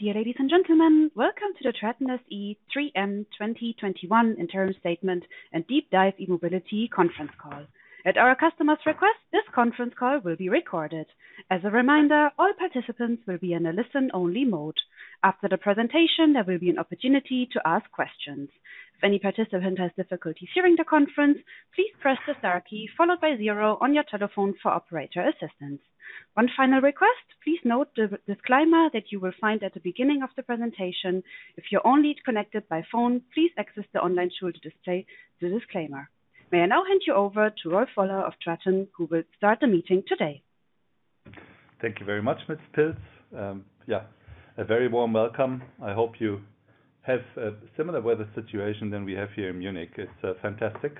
Dear ladies and gentlemen, welcome to the TRATON SE 3M 2021 Interim Statement and Deep Dive E-Mobility Conference Call. At our customers request, this conference call will be recorded. As a reminder, all participants will be in a listen-only mode. After the presentation, there will be an opportunity to ask questions. If any participant has difficulty hearing the conference, please press the star key, followed by zero on your telephone for operator assistance. One final request, please note the disclaimer that you will find at the beginning of the presentation. If you're only connected by phone, please access the online tool to display the disclaimer. May I now hand you over to Rolf Woller of TRATON, who will start the meeting today. Thank you very much, Ms. Pilz. Yeah. A very warm welcome. I hope you have a similar weather situation than we have here in Munich. It's fantastic.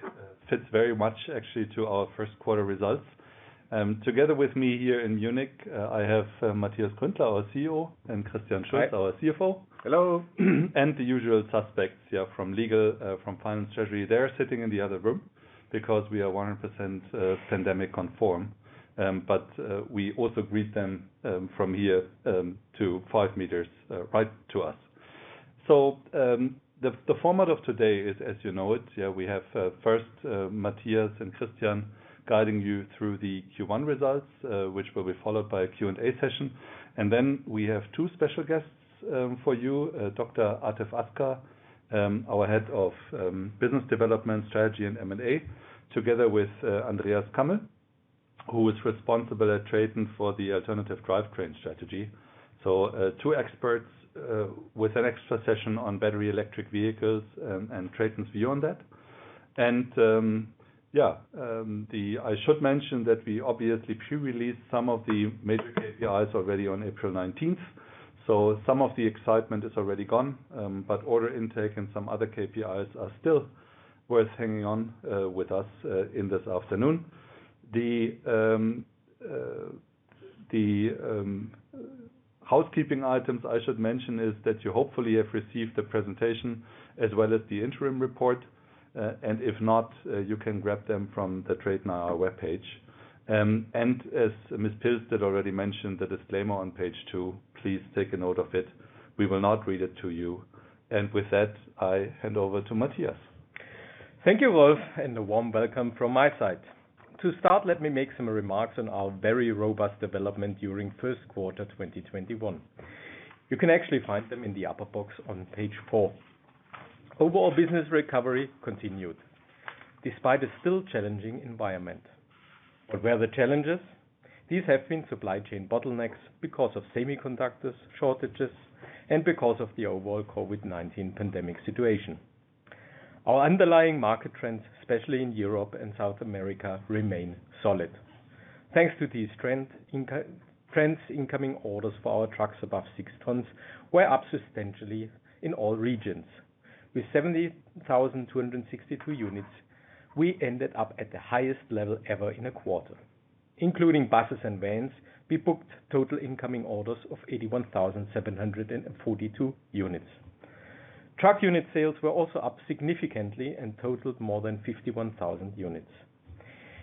Fits very much, actually, to our first quarter results. Together with me here in Munich, I have Matthias Gründler, our CEO, and Christian Schulz, our CFO. Hello. The usual suspects from legal, from finance, treasury. They're sitting in the other room because we are 100% pandemic-conform. We also greet them from here, two to five meters right to us. The format of today is as you know it. We have first Matthias and Christian guiding you through the Q1 results, which will be followed by a Q&A session. Then we have two special guests for you, Dr. Atif Askar, our Head of Business Development, Strategy and M&A, together with Andreas Kammel, who is responsible at TRATON for the alternative drivetrain strategy. Two experts with an extra session on battery electric vehicles and TRATON's view on that. I should mention that we obviously pre-released some of the major KPIs already on April 19th. Some of the excitement is already gone, but order intake and some other KPIs are still worth hanging on with us in this afternoon. The housekeeping items I should mention is that you hopefully have received the presentation as well as the interim report. If not, you can grab them from the TRATON webpage. As Ms. Pilz did already mention, the disclaimer on page two, please take a note of it. We will not read it to you. With that, I hand over to Matthias. Thank you, Rolf, and a warm welcome from my side. To start, let me make some remarks on our very robust development during first quarter 2021. You can actually find them in the upper box on page four. Overall business recovery continued despite a still challenging environment. What were the challenges? These have been supply chain bottlenecks because of semiconductors shortages and because of the overall COVID-19 pandemic situation. Our underlying market trends, especially in Europe and South America, remain solid. Thanks to these trends, incoming orders for our trucks above six tons were up substantially in all regions. With 70,262 units, we ended up at the highest level ever in a quarter. Including buses and vans, we booked total incoming orders of 81,742 units. Truck unit sales were also up significantly and totaled more than 51,000 units.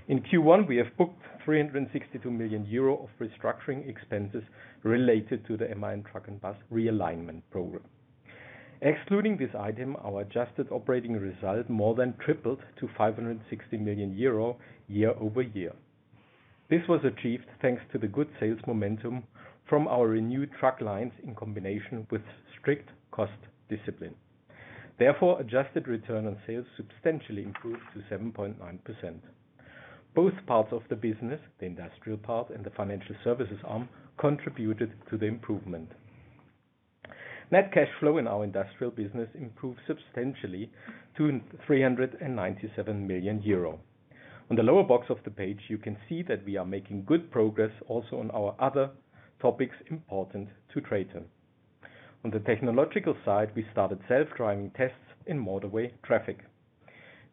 In Q1, we have booked 362 million euro of restructuring expenses related to the MAN Truck & Bus realignment program. Excluding this item, our adjusted operating result more than tripled to 560 million euro year-over-year. This was achieved thanks to the good sales momentum from our renewed truck lines in combination with strict cost discipline. Adjusted return on sales substantially improved to 7.9%. Both parts of the business, the industrial part and the financial services arm, contributed to the improvement. Net cash flow in our industrial business improved substantially to 397 million euro. On the lower box of the page, you can see that we are making good progress also on our other topics important to TRATON. On the technological side, we started self-driving tests in motorway traffic.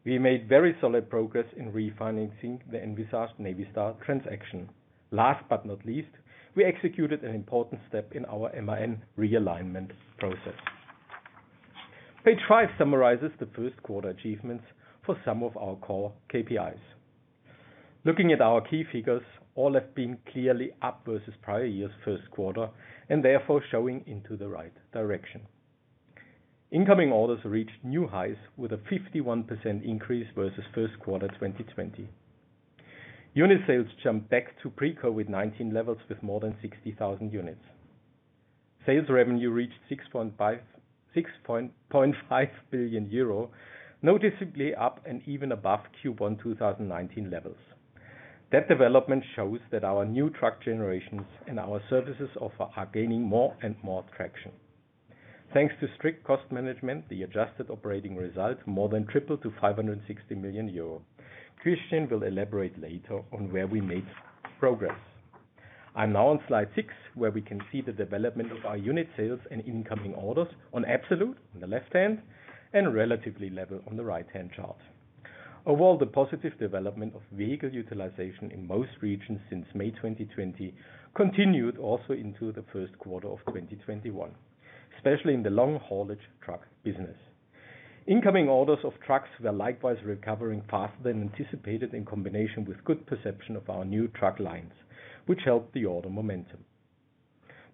We made very solid progress in refinancing the envisaged Navistar transaction. Last but not least, we executed an important step in our MAN realignment process. Page five summarizes the first quarter achievements for some of our core KPIs. Looking at our key figures, all have been clearly up versus prior year's first quarter, therefore showing into the right direction. Incoming orders reached new highs with a 51% increase versus first quarter 2020. Unit sales jumped back to pre-COVID-19 levels with more than 60,000 units. Sales revenue reached 6.5 billion euro, noticeably up and even above Q1 2019 levels. That development shows that our new truck generations and our services offer are gaining more and more traction. Thanks to strict cost management, the adjusted operating result more than tripled to 560 million euro. Christian will elaborate later on where we made progress. I'm now on slide six, where we can see the development of our unit sales and incoming orders on absolute on the left hand and relatively level on the right-hand chart. Overall, the positive development of vehicle utilization in most regions since May 2020 continued also into the first quarter of 2021, especially in the long haulage truck business. Incoming orders of trucks were likewise recovering faster than anticipated in combination with good perception of our new truck lines, which helped the order momentum.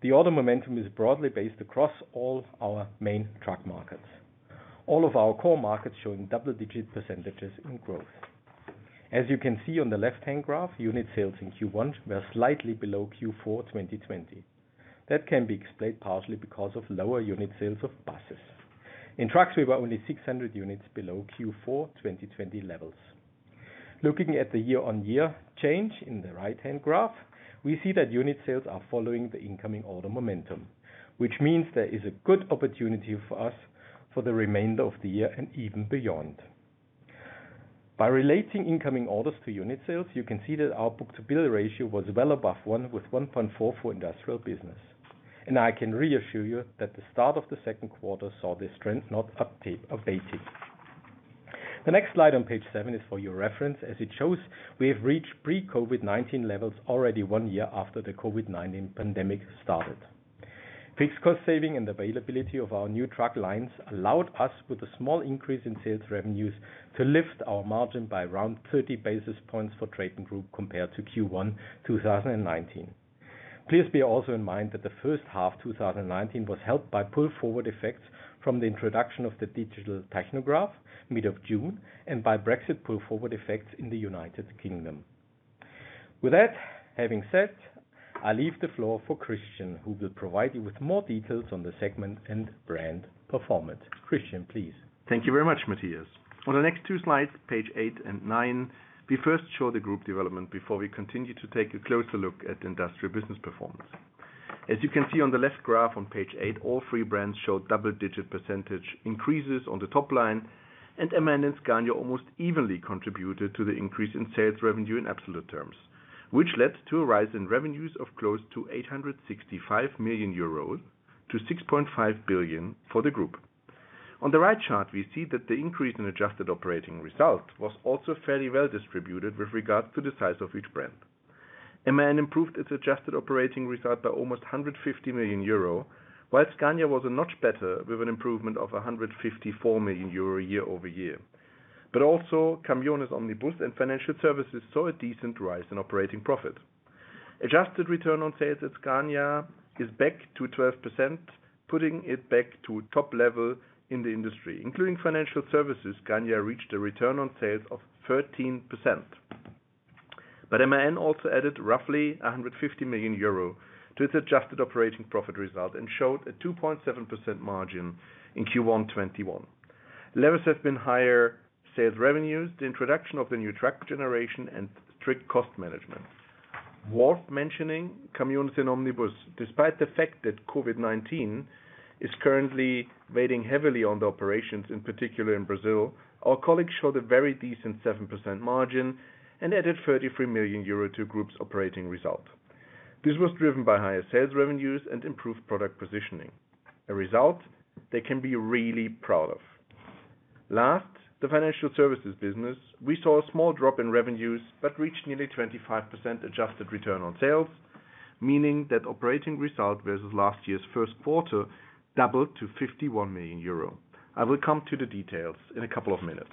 The order momentum is broadly based across all our main truck markets, all of our core markets showing double-digit percentages in growth. As you can see on the left-hand graph, unit sales in Q1 were slightly below Q4 2020. That can be explained partially because of lower unit sales of buses. In trucks, we were only 600 units below Q4 2020 levels. Looking at the year-on-year change in the right-hand graph, we see that unit sales are following the incoming order momentum, which means there is a good opportunity for us for the remainder of the year and even beyond. By relating incoming orders to unit sales, you can see that our book-to-bill ratio was well above one, with 1.4 for industrial business. I can reassure you that the start of the second quarter saw this trend not updating. The next slide on page seven is for your reference, as it shows we have reached pre-COVID-19 levels already one year after the COVID-19 pandemic started. Fixed cost saving and availability of our new truck lines allowed us, with a small increase in sales revenues, to lift our margin by around 30 basis points for TRATON Group compared to Q1 2019. Please bear also in mind that the first half 2019 was helped by pull forward effects from the introduction of the digital tachograph mid of June and by Brexit pull forward effects in the United Kingdom. With that having said, I leave the floor for Christian, who will provide you with more details on the segment and brand performance. Christian, please. Thank you very much, Matthias. On the next two slides, page eight and nine, we first show the group development before we continue to take a closer look at industrial business performance. As you can see on the left graph on page eight, all three brands showed double-digit percentage increases on the top line, MAN and Scania almost evenly contributed to the increase in sales revenue in absolute terms, which led to a rise in revenues of close to 865 million euros to 6.5 billion for the group. On the right chart, we see that the increase in adjusted operating result was also fairly well distributed with regards to the size of each brand. MAN improved its adjusted operating result by almost 150 million euro, while Scania was a notch better with an improvement of 154 million euro year-over-year. Also Caminhões e Ônibus and Financial Services saw a decent rise in operating profit. Adjusted return on sales at Scania is back to 12%, putting it back to top level in the industry. Including Financial Services, Scania reached a return on sales of 13%. MAN also added roughly 150 million euro to its adjusted operating profit result and showed a 2.7% margin in Q1 2021. Levers have been higher sales revenues, the introduction of the new truck generation, and strict cost management. Worth mentioning, Caminhões and Ônibus. Despite the fact that COVID-19 is currently weighing heavily on the operations, in particular in Brazil, our colleagues showed a very decent 7% margin and added 33 million euro to Group's operating result. This was driven by higher sales revenues and improved product positioning, a result they can be really proud of. The financial services business, we saw a small drop in revenues, but reached nearly 25% adjusted return on sales, meaning that operating result versus last year's first quarter doubled to 51 million euro. I will come to the details in a couple of minutes.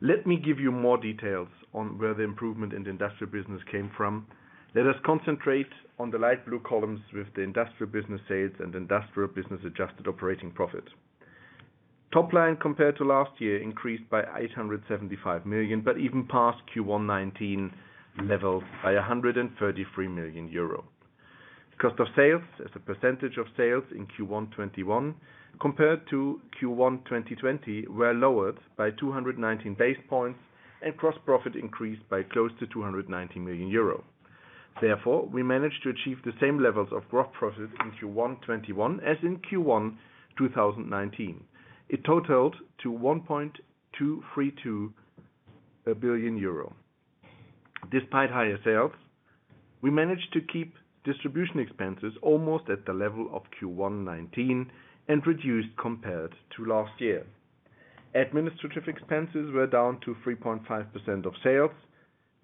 Let me give you more details on where the improvement in the industrial business came from. Let us concentrate on the light blue columns with the industrial business sales and industrial business adjusted operating profit. Top line compared to last year increased by 875 million, but even passed Q1 2019 levels by 133 million euro. Cost of sales as a percentage of sales in Q1 2021 compared to Q1 2020 were lowered by 219 base points and gross profit increased by close to 290 million euro. We managed to achieve the same levels of gross profit in Q1 2021 as in Q1 2019. It totaled to 1.232 billion euro. Despite higher sales, we managed to keep distribution expenses almost at the level of Q1 2019 and reduced compared to last year. Administrative expenses were down to 3.5% of sales.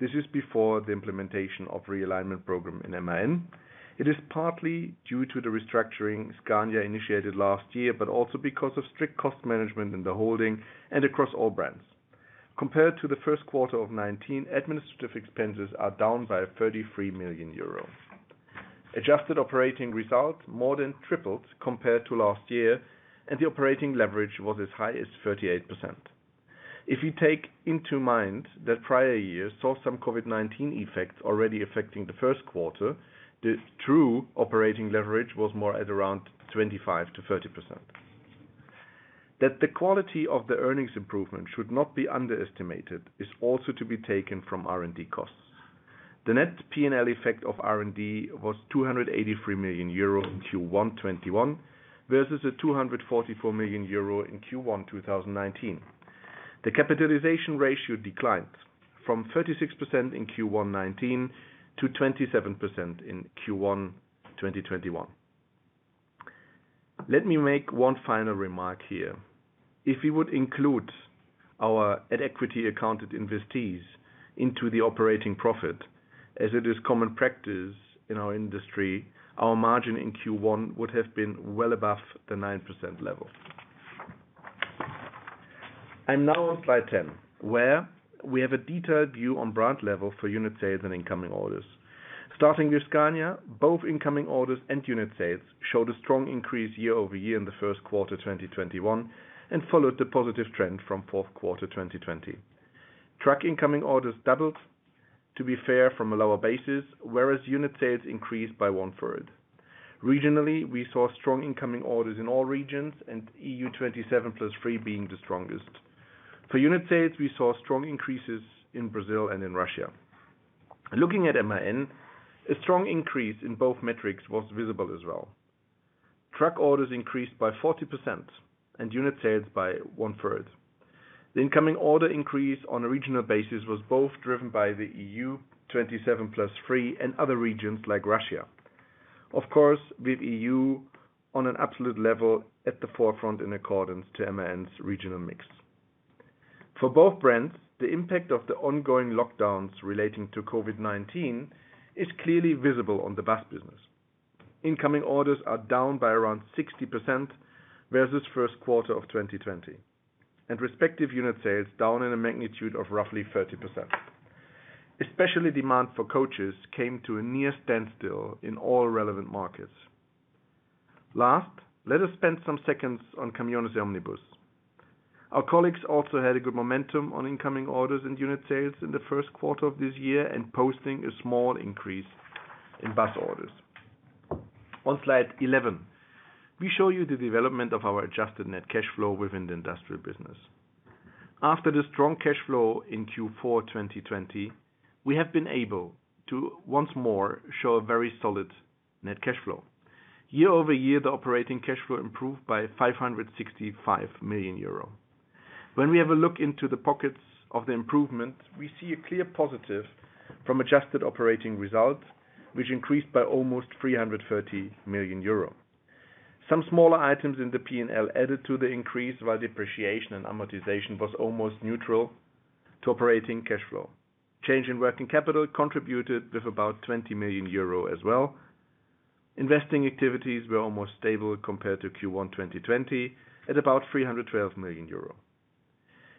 This is before the implementation of realignment program in MAN. It is partly due to the restructuring Scania initiated last year, but also because of strict cost management in the holding and across all brands. Compared to the first quarter of 2019, administrative expenses are down by 33 million euros. Adjusted operating result more than tripled compared to last year. The operating leverage was as high as 38%. If you take into mind that prior years saw some COVID-19 effects already affecting the first quarter, the true operating leverage was more at around 25%-30%. That the quality of the earnings improvement should not be underestimated is also to be taken from R&D costs. The net P&L effect of R&D was 283 million euro in Q1 2021 versus a 244 million euro in Q1 2019. The capitalization ratio declined from 36% in Q1 2019 to 27% in Q1 2021. Let me make one final remark here. If we would include our at equity accounted investees into the operating profit, as it is common practice in our industry, our margin in Q1 would have been well above the 9% level. Now slide 10, where we have a detailed view on brand level for unit sales and incoming orders. Starting with Scania, both incoming orders and unit sales showed a strong increase year-over-year in the first quarter 2021, followed the positive trend from fourth quarter 2020. Truck incoming orders doubled, to be fair, from a lower basis, whereas unit sales increased by one-third. Regionally, we saw strong incoming orders in all regions, and EU27+3 being the strongest. For unit sales, we saw strong increases in Brazil and in Russia. Looking at MAN, a strong increase in both metrics was visible as well. Truck orders increased by 40%, and unit sales by one-third. The incoming order increase on a regional basis was both driven by the EU27+3 and other regions like Russia. Of course, with EU on an absolute level at the forefront in accordance to MAN's regional mix. For both brands, the impact of the ongoing lockdowns relating to COVID-19 is clearly visible on the bus business. Incoming orders are down by around 60% versus first quarter of 2020, and respective unit sales down in a magnitude of roughly 30%. Especially demand for coaches came to a near standstill in all relevant markets. Let us spend some seconds on Caminhões e Ônibus. Our colleagues also had a good momentum on incoming orders and unit sales in the first quarter of this year, and posting a small increase in bus orders. On slide 11, we show you the development of our adjusted net cash flow within the industrial business. After the strong cash flow in Q4 2020, we have been able to once more show a very solid net cash flow. Year-over-year, the operating cash flow improved by 565 million euro. When we have a look into the pockets of the improvement, we see a clear positive from adjusted operating results, which increased by almost 330 million euro. Some smaller items in the P&L added to the increase, while depreciation and amortization was almost neutral to operating cash flow. Change in working capital contributed with about 20 million euro as well. Investing activities were almost stable compared to Q1 2020 at about 312 million euro.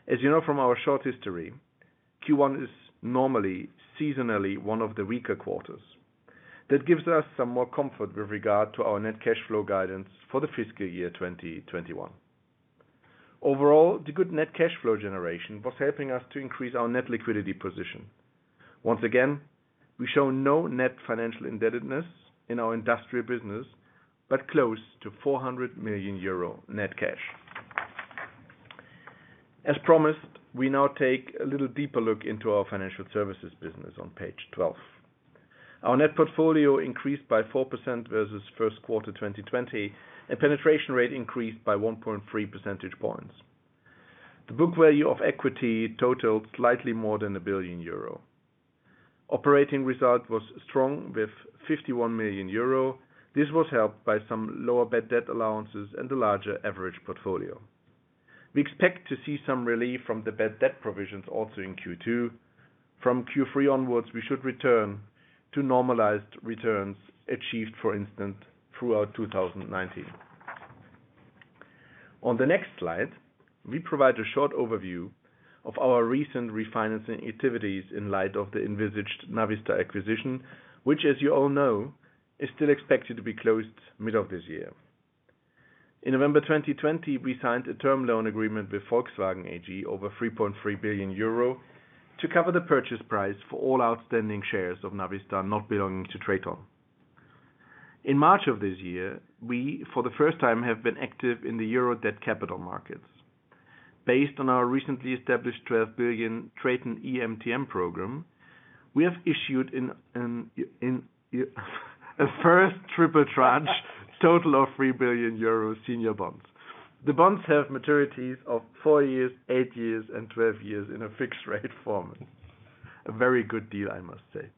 As you know from our short history, Q1 is normally seasonally one of the weaker quarters. That gives us some more comfort with regard to our net cash flow guidance for the fiscal year 2021. Overall, the good net cash flow generation was helping us to increase our net liquidity position. Once again, we show no net financial indebtedness in our industrial business, but close to 400 million euro net cash. As promised, we now take a little deeper look into our financial services business on page 12. Our net portfolio increased by 4% versus first quarter 2020. A penetration rate increased by 1.3 percentage points. The book value of equity totaled slightly more than 1 billion euro. Operating result was strong with 51 million euro. This was helped by some lower bad debt allowances and a larger average portfolio. We expect to see some relief from the bad debt provisions also in Q2. From Q3 onwards, we should return to normalized returns achieved, for instance, throughout 2019. On the next slide, we provide a short overview of our recent refinancing activities in light of the envisaged Navistar acquisition, which, as you all know, is still expected to be closed mid of this year. In November 2020, we signed a term loan agreement with Volkswagen AG over 3.3 billion euro to cover the purchase price for all outstanding shares of Navistar not belonging to TRATON. In March of this year, we, for the first time, have been active in the euro debt capital markets. Based on our recently established 12 billion TRATON EMTN program, we have issued a first triple tranche total of 3 billion euros senior bonds. The bonds have maturities of four years, eight years, and 12 years in a fixed rate form. A very good deal, I must say.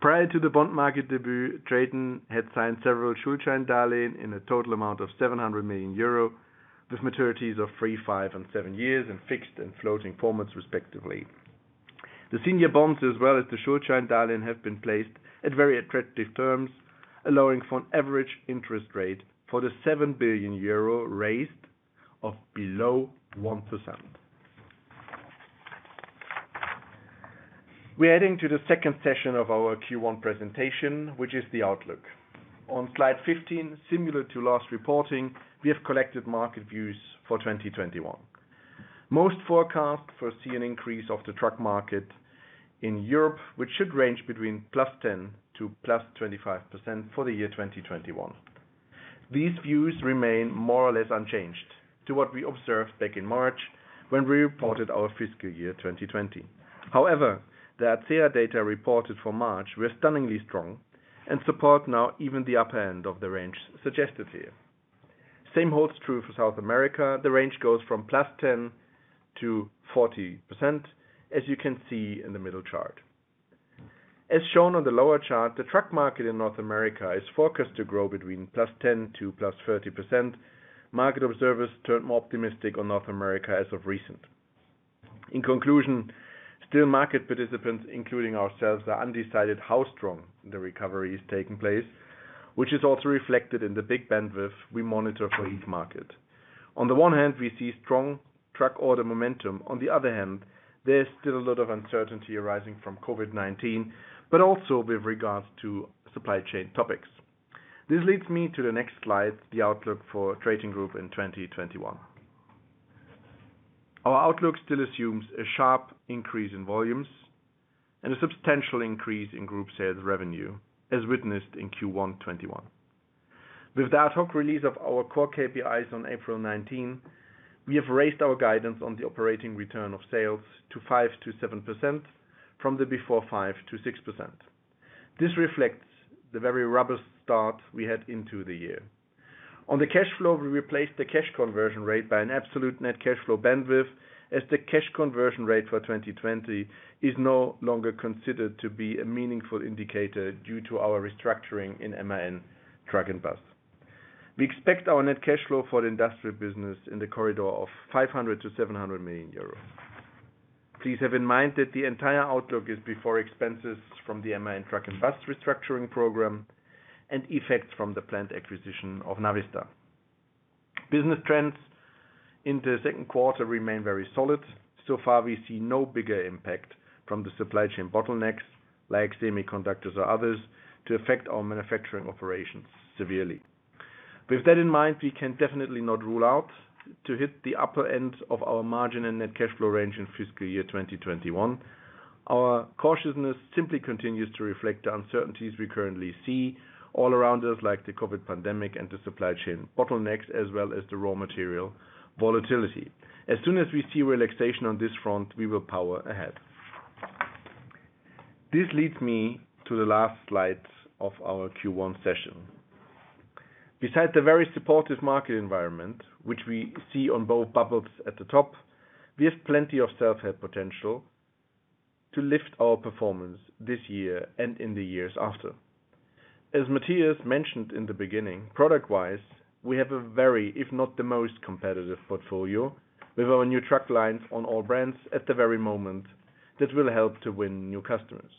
Prior to the bond market debut, TRATON had signed several Schuldscheindarlehen in a total amount of 700 million euro, with maturities of three, five, and seven years in fixed and floating formats, respectively. The senior bonds, as well as the Schuldscheindarlehen have been placed at very attractive terms, allowing for an average interest rate for the 7 billion euro raised of below 1%. We're heading to the second session of our Q1 presentation, which is the outlook. On slide 15, similar to last reporting, we have collected market views for 2021. Most forecasts foresee an increase of the truck market in Europe, which should range between +10% to +25% for the year 2021. These views remain more or less unchanged to what we observed back in March when we reported our fiscal year 2020. The ACEA data reported for March were stunningly strong and support now even the upper end of the range suggested here. Same holds true for South America. The range goes from +10% to +40%, as you can see in the middle chart. As shown on the lower chart, the truck market in North America is forecast to grow between +10% to +30%. Market observers turned more optimistic on North America as of recent. In conclusion, still market participants, including ourselves, are undecided how strong the recovery is taking place, which is also reflected in the big bandwidth we monitor for each market. On the one hand, we see strong truck order momentum. On the other hand, there's still a lot of uncertainty arising from COVID-19, but also with regards to supply chain topics. This leads me to the next slide, the outlook for TRATON GROUP in 2021. Our outlook still assumes a sharp increase in volumes and a substantial increase in group sales revenue, as witnessed in Q1 2021. With the Ad Hoc release of our core KPIs on April 19, we have raised our guidance on the operating return of sales to 5%-7%, from the before 5%-6%. This reflects the very robust start we had into the year. On the cash flow, we replaced the cash conversion rate by an absolute net cash flow bandwidth, as the cash conversion rate for 2020 is no longer considered to be a meaningful indicator due to our restructuring in MAN Truck & Bus. We expect our net cash flow for the industrial business in the corridor of 500 million-700 million euros. Please have in mind that the entire outlook is before expenses from the MAN Truck & Bus restructuring program and effects from the planned acquisition of Navistar. Business trends in the second quarter remain very solid. So far, we see no bigger impact from the supply chain bottlenecks, like semiconductors or others, to affect our manufacturing operations severely. With that in mind, we can definitely not rule out to hit the upper end of our margin and net cash flow range in fiscal year 2021. Our cautiousness simply continues to reflect the uncertainties we currently see all around us, like the COVID pandemic and the supply chain bottlenecks, as well as the raw material volatility. As soon as we see relaxation on this front, we will power ahead. This leads me to the last slide of our Q1 session. Besides the very supportive market environment, which we see on both bubbles at the top, we have plenty of self-help potential to lift our performance this year and in the years after. As Matthias mentioned in the beginning, product-wise, we have a very, if not the most competitive portfolio, with our new truck lines on all brands at the very moment that will help to win new customers.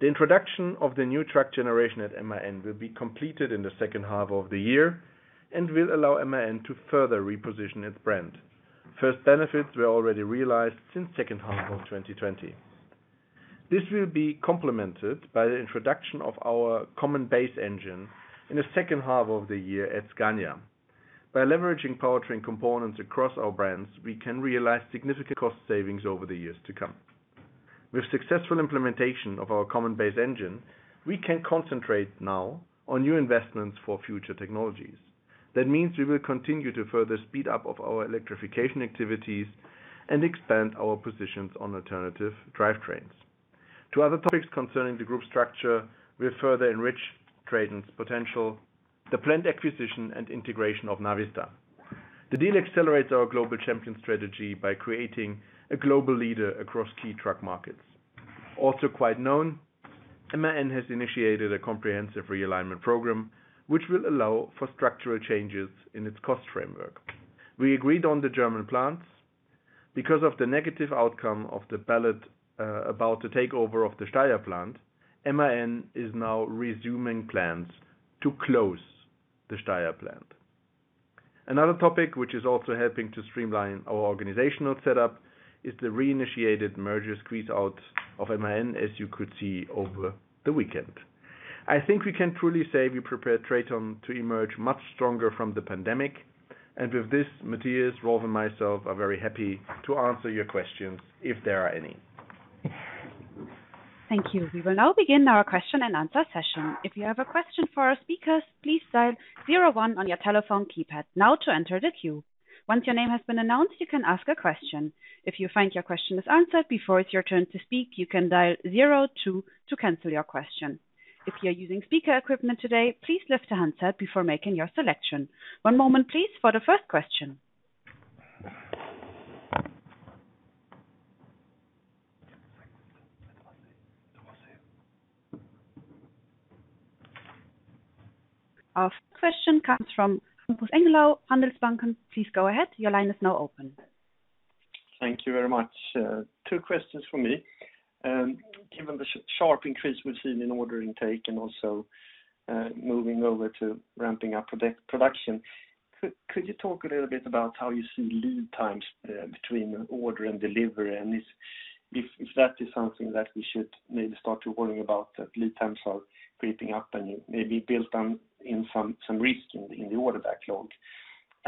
The introduction of the new truck generation at MAN will be completed in the second half of the year and will allow MAN to further reposition its brand. First benefits were already realized since second half of 2020. This will be complemented by the introduction of our Common Base Engine in the second half of the year at Scania. By leveraging powertrain components across our brands, we can realize significant cost savings over the years to come. With successful implementation of our Common Base Engine, we can concentrate now on new investments for future technologies. We will continue to further speed up of our electrification activities and expand our positions on alternative drivetrains. To other topics concerning the group structure, we have further enriched TRATON's potential, the planned acquisition and integration of Navistar. The deal accelerates our global champion strategy by creating a global leader across key truck markets. Quite known, MAN has initiated a comprehensive realignment program, which will allow for structural changes in its cost framework. We agreed on the German plants. Because of the negative outcome of the ballot about the takeover of the Steyr plant, MAN is now resuming plans to close the Steyr plant. Another topic which is also helping to streamline our organizational setup is the reinitiated merger squeeze-out of MAN, as you could see over the weekend. I think we can truly say we prepared TRATON to emerge much stronger from the pandemic. With this, Matthias, Rolf, and myself are very happy to answer your questions, if there are any. Thank you. We will now begin our question-and-answer session. If you have a question for our speakers, please dial zero one on your telephone keypad now to enter the queue. Once your name has been announced, you can ask a question. If you find your question is answered before it is your turn to speak, you can dial zero two to cancel your question. If you are using speaker equipment today, please lift the handset before making your selection. One moment, please, for the first question. Our first question comes from Hampus Engellau, Handelsbanken. Please go ahead. Your line is now open. Thank you very much. Two questions from me. Given the sharp increase we've seen in order intake and also moving over to ramping up production, could you talk a little bit about how you see lead times between order and delivery and if that is something that we should maybe start to worry about, that lead times are creeping up and you maybe built in some risk in the order backlog.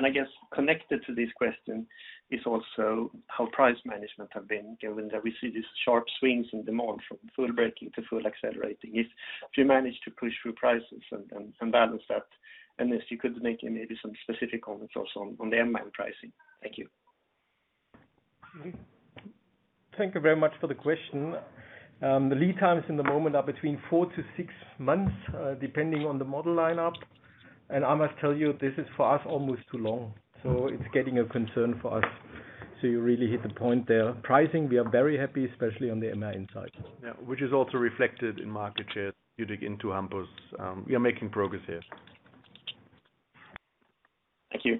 I guess connected to this question is also how price management have been, given that we see these sharp swings in demand from full braking to full accelerating. If you manage to push through prices and balance that. If you could make maybe some specific comments also on the MAN pricing. Thank you. Thank you very much for the question. The lead times in the moment are between four to six months, depending on the model lineup. I must tell you, this is for us almost too long, so it's getting a concern for us. You really hit the point there. Pricing, we are very happy, especially on the MAN side. Yeah. Which is also reflected in market shares. You dig into Hampus. We are making progress here. Thank you.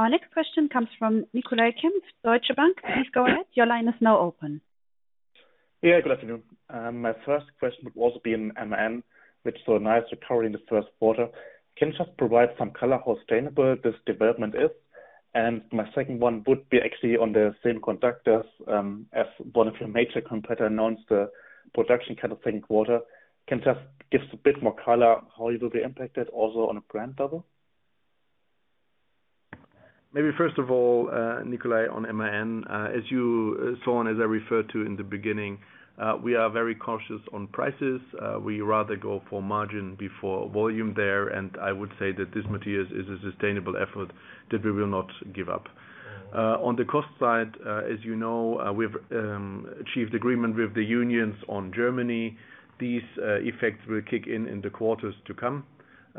Our next question comes from Nicolai Kempf, Deutsche Bank. Please go ahead. Your line is now open. Yeah, good afternoon. My first question would also be in MAN, which saw a nice recovery in the first quarter. Can you just provide some color how sustainable this development is? My second one would be actually on the semiconductors, as one of your major competitor announced the production cut of second quarter. Can you just give us a bit more color how you will be impacted also on a brand level? Maybe first of all, Nicolai, on MAN, as you saw and as I referred to in the beginning, we are very cautious on prices. We rather go for margin before volume there, and I would say that this, Matthias, is a sustainable effort that we will not give up. On the cost side, as you know, we've achieved agreement with the unions on Germany. These effects will kick in in the quarters to come.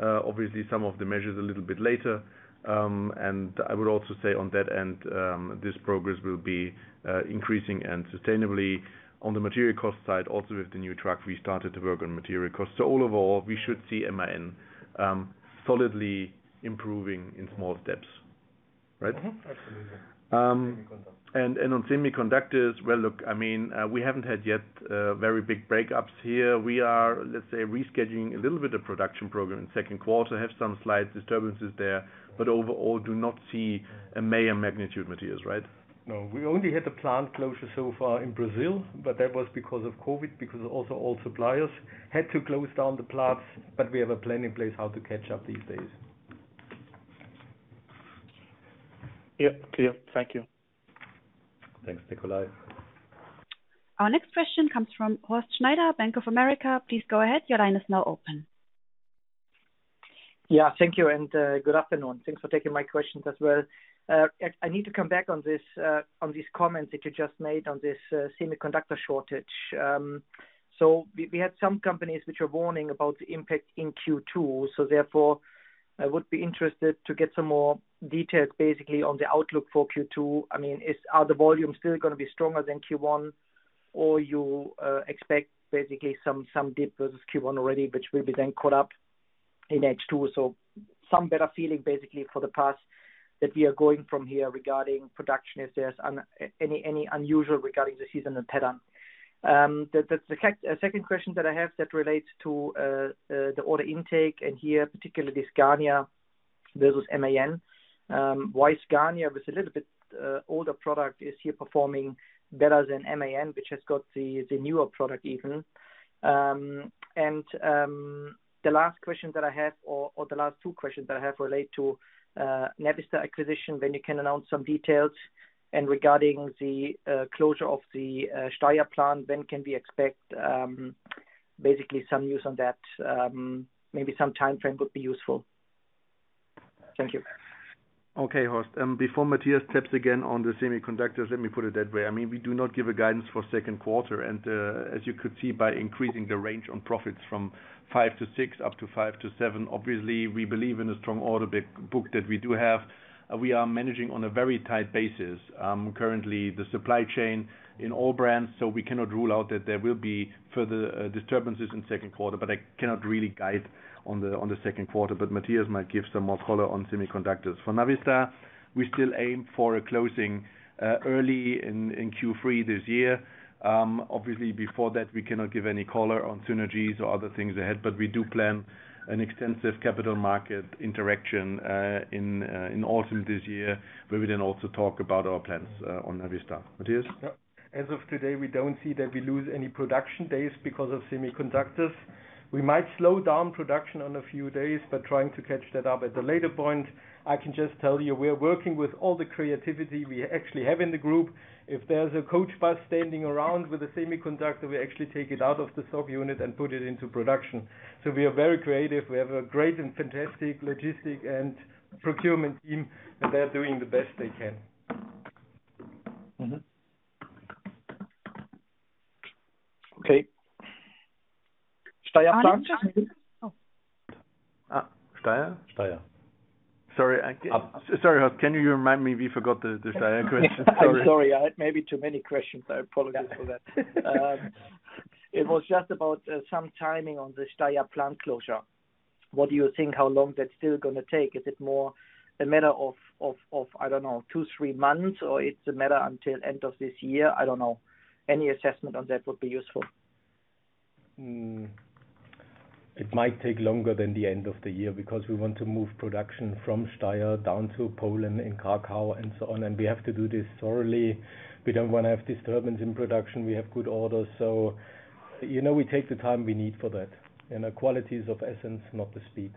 Obviously, some of the measures a little bit later. I would also say on that end, this progress will be increasing and sustainably on the material cost side, also with the new truck, we started to work on material cost. All in all, we should see MAN solidly improving in small steps. Right? Absolutely. On semiconductors, well, look, we haven't had yet very big breakups here. We are, let's say, rescheduling a little bit of production program in second quarter, have some slight disturbances there, but overall, do not see a major magnitude, Matthias, right? No. We only had the plant closure so far in Brazil, but that was because of COVID, because also all suppliers had to close down the plants, but we have a plan in place how to catch up these days. Yeah. Clear. Thank you. Thanks, Nicolai. Our next question comes from Horst Schneider, Bank of America. Thank you, and good afternoon. Thanks for taking my questions as well. I need to come back on these comments that you just made on this semiconductor shortage. We had some companies which are warning about the impact in Q2, so therefore, I would be interested to get some more details, basically on the outlook for Q2. Are the volumes still going to be stronger than Q1, or you expect basically some dip versus Q1 already, which will be then caught up in H2? Some better feeling, basically for the past that we are going from here regarding production. Is there any unusual regarding the seasonal pattern? The second question that I have that relates to the order intake, and here, particularly Scania versus MAN. Why Scania with a little bit older product is here performing better than MAN, which has got the newer product even. The last question that I have or the last two questions that I have relate to Navistar acquisition, when you can announce some details. Regarding the closure of the Steyr plant, when can we expect basically some news on that? Maybe some timeframe would be useful. Thank you. Okay, Horst. Before Matthias taps again on the semiconductors, let me put it that way. We do not give a guidance for second quarter. As you could see by increasing the range on profits from 5-6 up to 5-7, obviously, we believe in a strong order book that we do have. We are managing on a very tight basis. Currently, the supply chain in all brands, we cannot rule out that there will be further disturbances in second quarter, but I cannot really guide on the second quarter. Matthias might give some more color on semiconductors. For Navistar, we still aim for a closing early in Q3 this year. Obviously, before that, we cannot give any color on synergies or other things ahead, but we do plan an extensive capital market interaction in autumn this year, where we then also talk about our plans on Navistar. Matthias? As of today, we don't see that we lose any production days because of semiconductors. We might slow down production on a few days, but trying to catch that up at a later point. I can just tell you, we are working with all the creativity we actually have in the group. If there's a coach bus standing around with a semiconductor, we actually take it out of the sub-unit and put it into production. We are very creative. We have a great and fantastic logistic and procurement team, and they're doing the best they can. Okay. Steyr plant? Steyr? Steyr. Sorry, Horst, can you remind me? We forgot the Steyr question. Sorry. I'm sorry. I had maybe too many questions. I apologize for that. It was just about some timing on the Steyr plant closure. What do you think how long that's still going to take? Is it more a matter of, I don't know, two, three months, or it's a matter until end of this year? I don't know. Any assessment on that would be useful. It might take longer than the end of the year because we want to move production from Steyr down to Poland and Kraków and so on. We have to do this thoroughly. We don't want to have disturbance in production. We have good orders. We take the time we need for that. The quality is of essence, not the speed.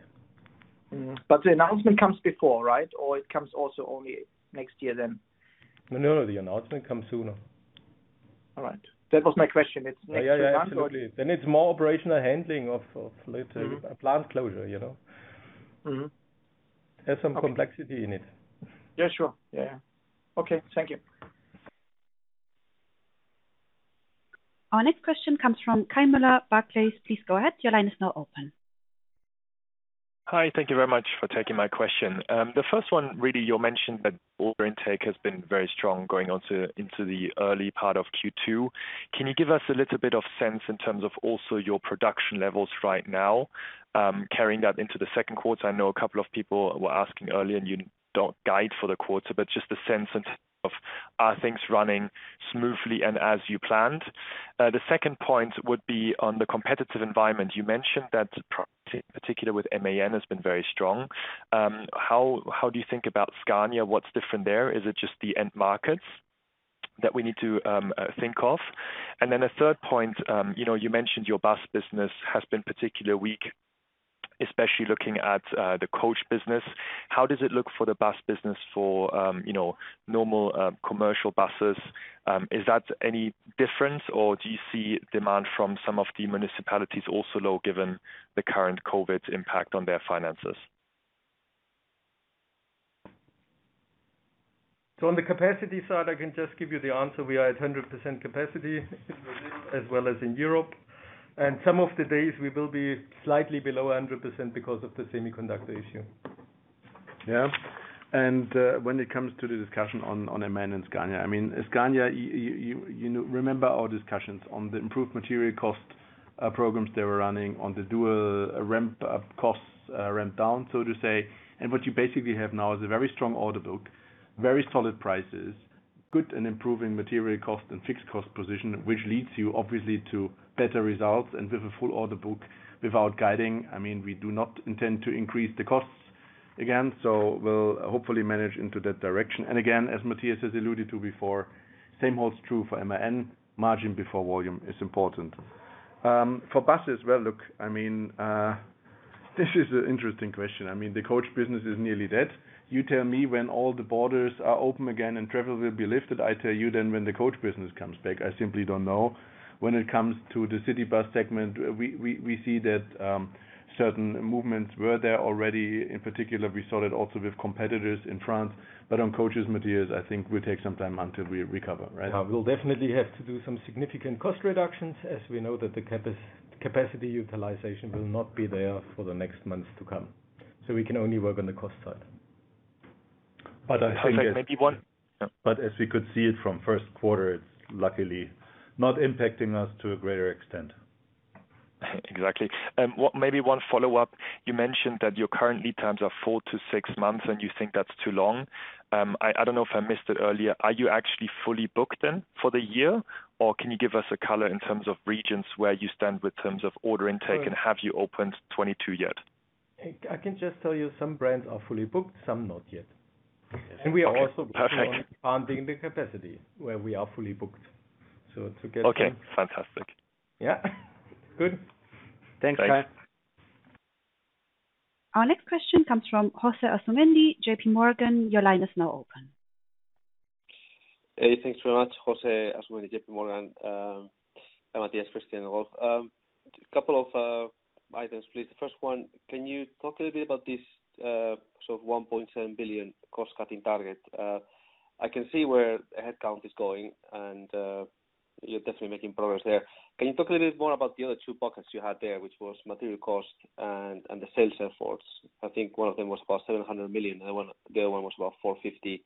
The announcement comes before, right? It comes also only next year then? No, the announcement comes sooner. All right. That was my question. It's next month or. Yeah, absolutely. It's more operational handling of later a plant closure. Has some complexity in it. Yeah, sure. Yeah. Okay. Thank you. Our next question comes from Kai Mueller, Barclays. Please go ahead. Your line is now open. Hi. Thank you very much for taking my question. The first one, really, you mentioned that order intake has been very strong going into the early part of Q2. Can you give us a little bit of sense in terms of also your production levels right now, carrying that into the second quarter? I know a couple of people were asking earlier, and you don't guide for the quarter, but just a sense in terms of, are things running smoothly and as you planned? The second point would be on the competitive environment. You mentioned that in particular with MAN has been very strong. How do you think about Scania? What's different there? Is it just the end markets that we need to think of? A third point, you mentioned your bus business has been particularly weak, especially looking at the coach business. How does it look for the bus business for normal commercial buses? Is that any different, or do you see demand from some of the municipalities also low given the current COVID impact on their finances? On the capacity side, I can just give you the answer. We are at 100% capacity in Brazil as well as in Europe. Some of the days we will be slightly below 100% because of the semiconductor issue. Yeah. When it comes to the discussion on MAN and Scania, remember our discussions on the improved material cost programs they were running on the dual ramp up costs, ramp down, so to say. What you basically have now is a very strong order book, very solid prices, good and improving material cost and fixed cost position, which leads you obviously to better results. With a full order book without guiding, we do not intend to increase the costs again. We'll hopefully manage into that direction. Again, as Matthias has alluded to before, same holds true for MAN, margin before volume is important. For buses, well, look, this is an interesting question. The coach business is nearly dead. You tell me when all the borders are open again and travel will be lifted, I tell you then when the coach business comes back. I simply don't know. When it comes to the city bus segment, we see that certain movements were there already. In particular, we saw that also with competitors in France. On coaches, Matthias, I think will take some time until we recover, right? We'll definitely have to do some significant cost reductions, as we know that the capacity utilization will not be there for the next months to come. We can only work on the cost side. But I think Maybe. As we could see it from first quarter, it's luckily not impacting us to a greater extent. Exactly. Maybe one follow-up. You mentioned that your current lead times are four to six months, and you think that is too long. I do not know if I missed it earlier. Are you actually fully booked then for the year, or can you give us a color in terms of regions where you stand with terms of order intake and have you opened 2022 yet? I can just tell you some brands are fully booked, some not yet. Okay, perfect. We are also working on expanding the capacity where we are fully booked. Okay, fantastic. Yeah. Good. Thanks, Kai. Our next question comes from Jose Asumendi, JPMorgan. Your line is now open. Hey, thanks very much. Jose Asumendi, JPMorgan. Matthias, Christian, Rolf. A couple of items, please. The first one, can you talk a little bit about this sort of 1.7 billion cost-cutting target? I can see where headcount is going, and you're definitely making progress there. Can you talk a little bit more about the other two buckets you had there, which was material cost and the sales efforts? I think one of them was about 700 million, the other one was about 450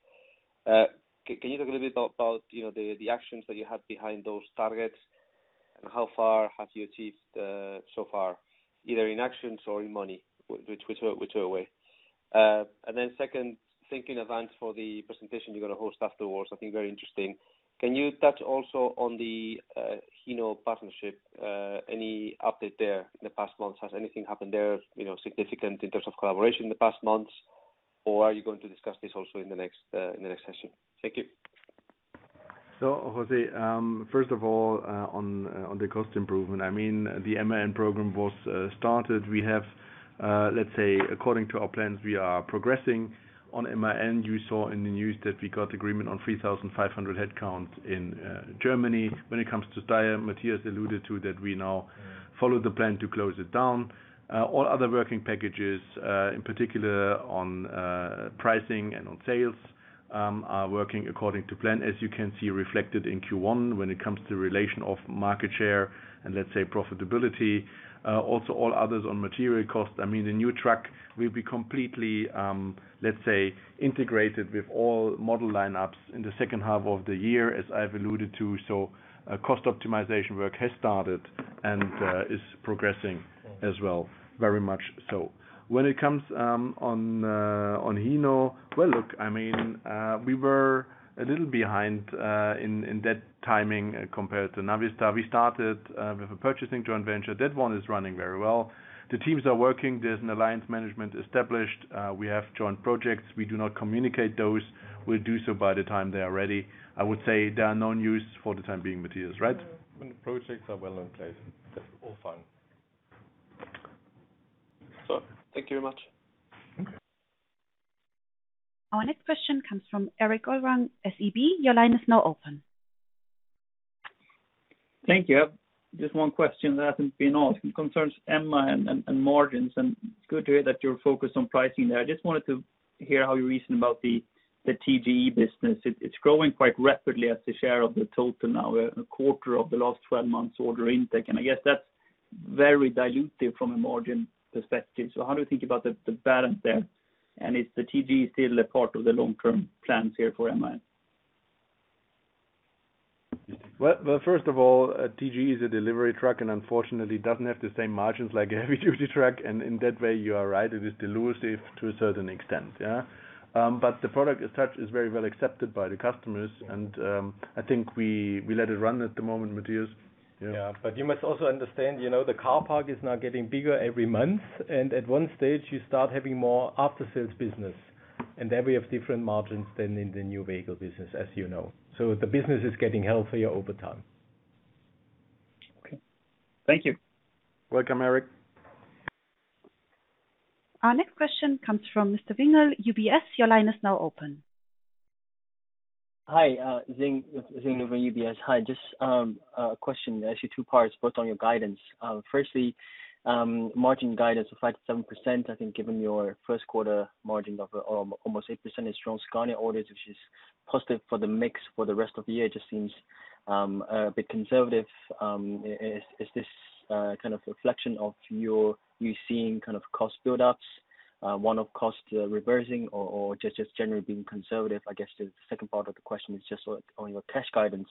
million. Can you talk a little bit about the actions that you have behind those targets, and how far have you achieved so far, either in actions or in money, whichever way? Then second, thank you in advance for the presentation you're going to host afterwards. I think very interesting. Can you touch also on the Hino partnership, any update there in the past months? Has anything happened there significant in terms of collaboration in the past months, or are you going to discuss this also in the next session? Thank you. Jose, first of all, on the cost improvement. The MAN program was started. Let's say, according to our plans, we are progressing on MAN. You saw in the news that we got agreement on 3,500 headcount in Germany. When it comes to Steyr, Matthias alluded to that we now follow the plan to close it down. All other working packages, in particular on pricing and on sales, are working according to plan. As you can see reflected in Q1, when it comes to relation of market share and let's say profitability. Also all others on material cost. The new truck will be completely, let's say, integrated with all model lineups in the second half of the year, as I've alluded to. Cost optimization work has started and is progressing as well, very much so. When it comes on Hino, well, look, we were a little behind in that timing compared to Navistar. We started with a purchasing joint venture. That one is running very well. The teams are working. There's an alliance management established. We have joint projects. We do not communicate those. We'll do so by the time they are ready. I would say there are no news for the time being, Matthias, right? When the projects are well in place, that's all fine. Thank you very much. Okay. Our next question comes from Erik Golrang, SEB. Your line is now open. Thank you. Just one question that hasn't been asked. It concerns MAN and margins, and good to hear that you're focused on pricing there. I just wanted to hear how you reason about the MAN TGE business. It's growing quite rapidly as a share of the total now, a quarter of the last 12 months order intake, and I guess that's very dilutive from a margin perspective. How do you think about the balance there? Is the MAN TGE still a part of the long-term plans here for MAN? Well, first of all, TGE is a delivery truck. Unfortunately, it doesn't have the same margins like a heavy-duty truck. In that way, you are right, it is dilutive to a certain extent. The product as such is very well accepted by the customers. I think we let it run at the moment, Matthias. Yeah. You must also understand, the car park is now getting bigger every month, and at one stage, you start having more after-sales business, and there we have different margins than in the new vehicle business, as you know. The business is getting healthier over time. Okay. Thank you. You're welcome, Erik. Our next question comes from Mr. Weitert, UBS. Your line is now open. Hi. Sven Weitert with UBS. Just a question, actually two parts, both on your guidance. Firstly, margin guidance of 5%-7%, I think given your first quarter margin of almost 8% and strong Scania orders, which is positive for the mix for the rest of the year, just seems a bit conservative. Is this a reflection of you seeing cost buildups, one-off costs reversing, or just generally being conservative? I guess the second part of the question is just on your cash guidance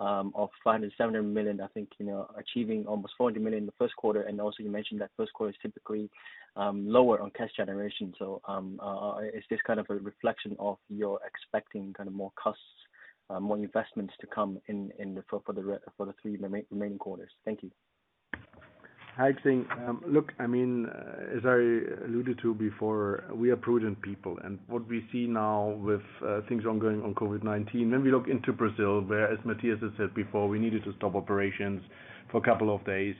of 500 million-700 million. I think achieving almost 40 million in the first quarter, and also you mentioned that first quarter is typically lower on cash generation. Is this a reflection of your expecting more costs, more investments to come in for the three main quarters? Thank you. Hi, Sven. Look, as I alluded to before, we are prudent people. What we see now with things ongoing on COVID-19, then we look into Brazil, where, as Matthias Gründler has said before, we needed to stop operations for a couple of days.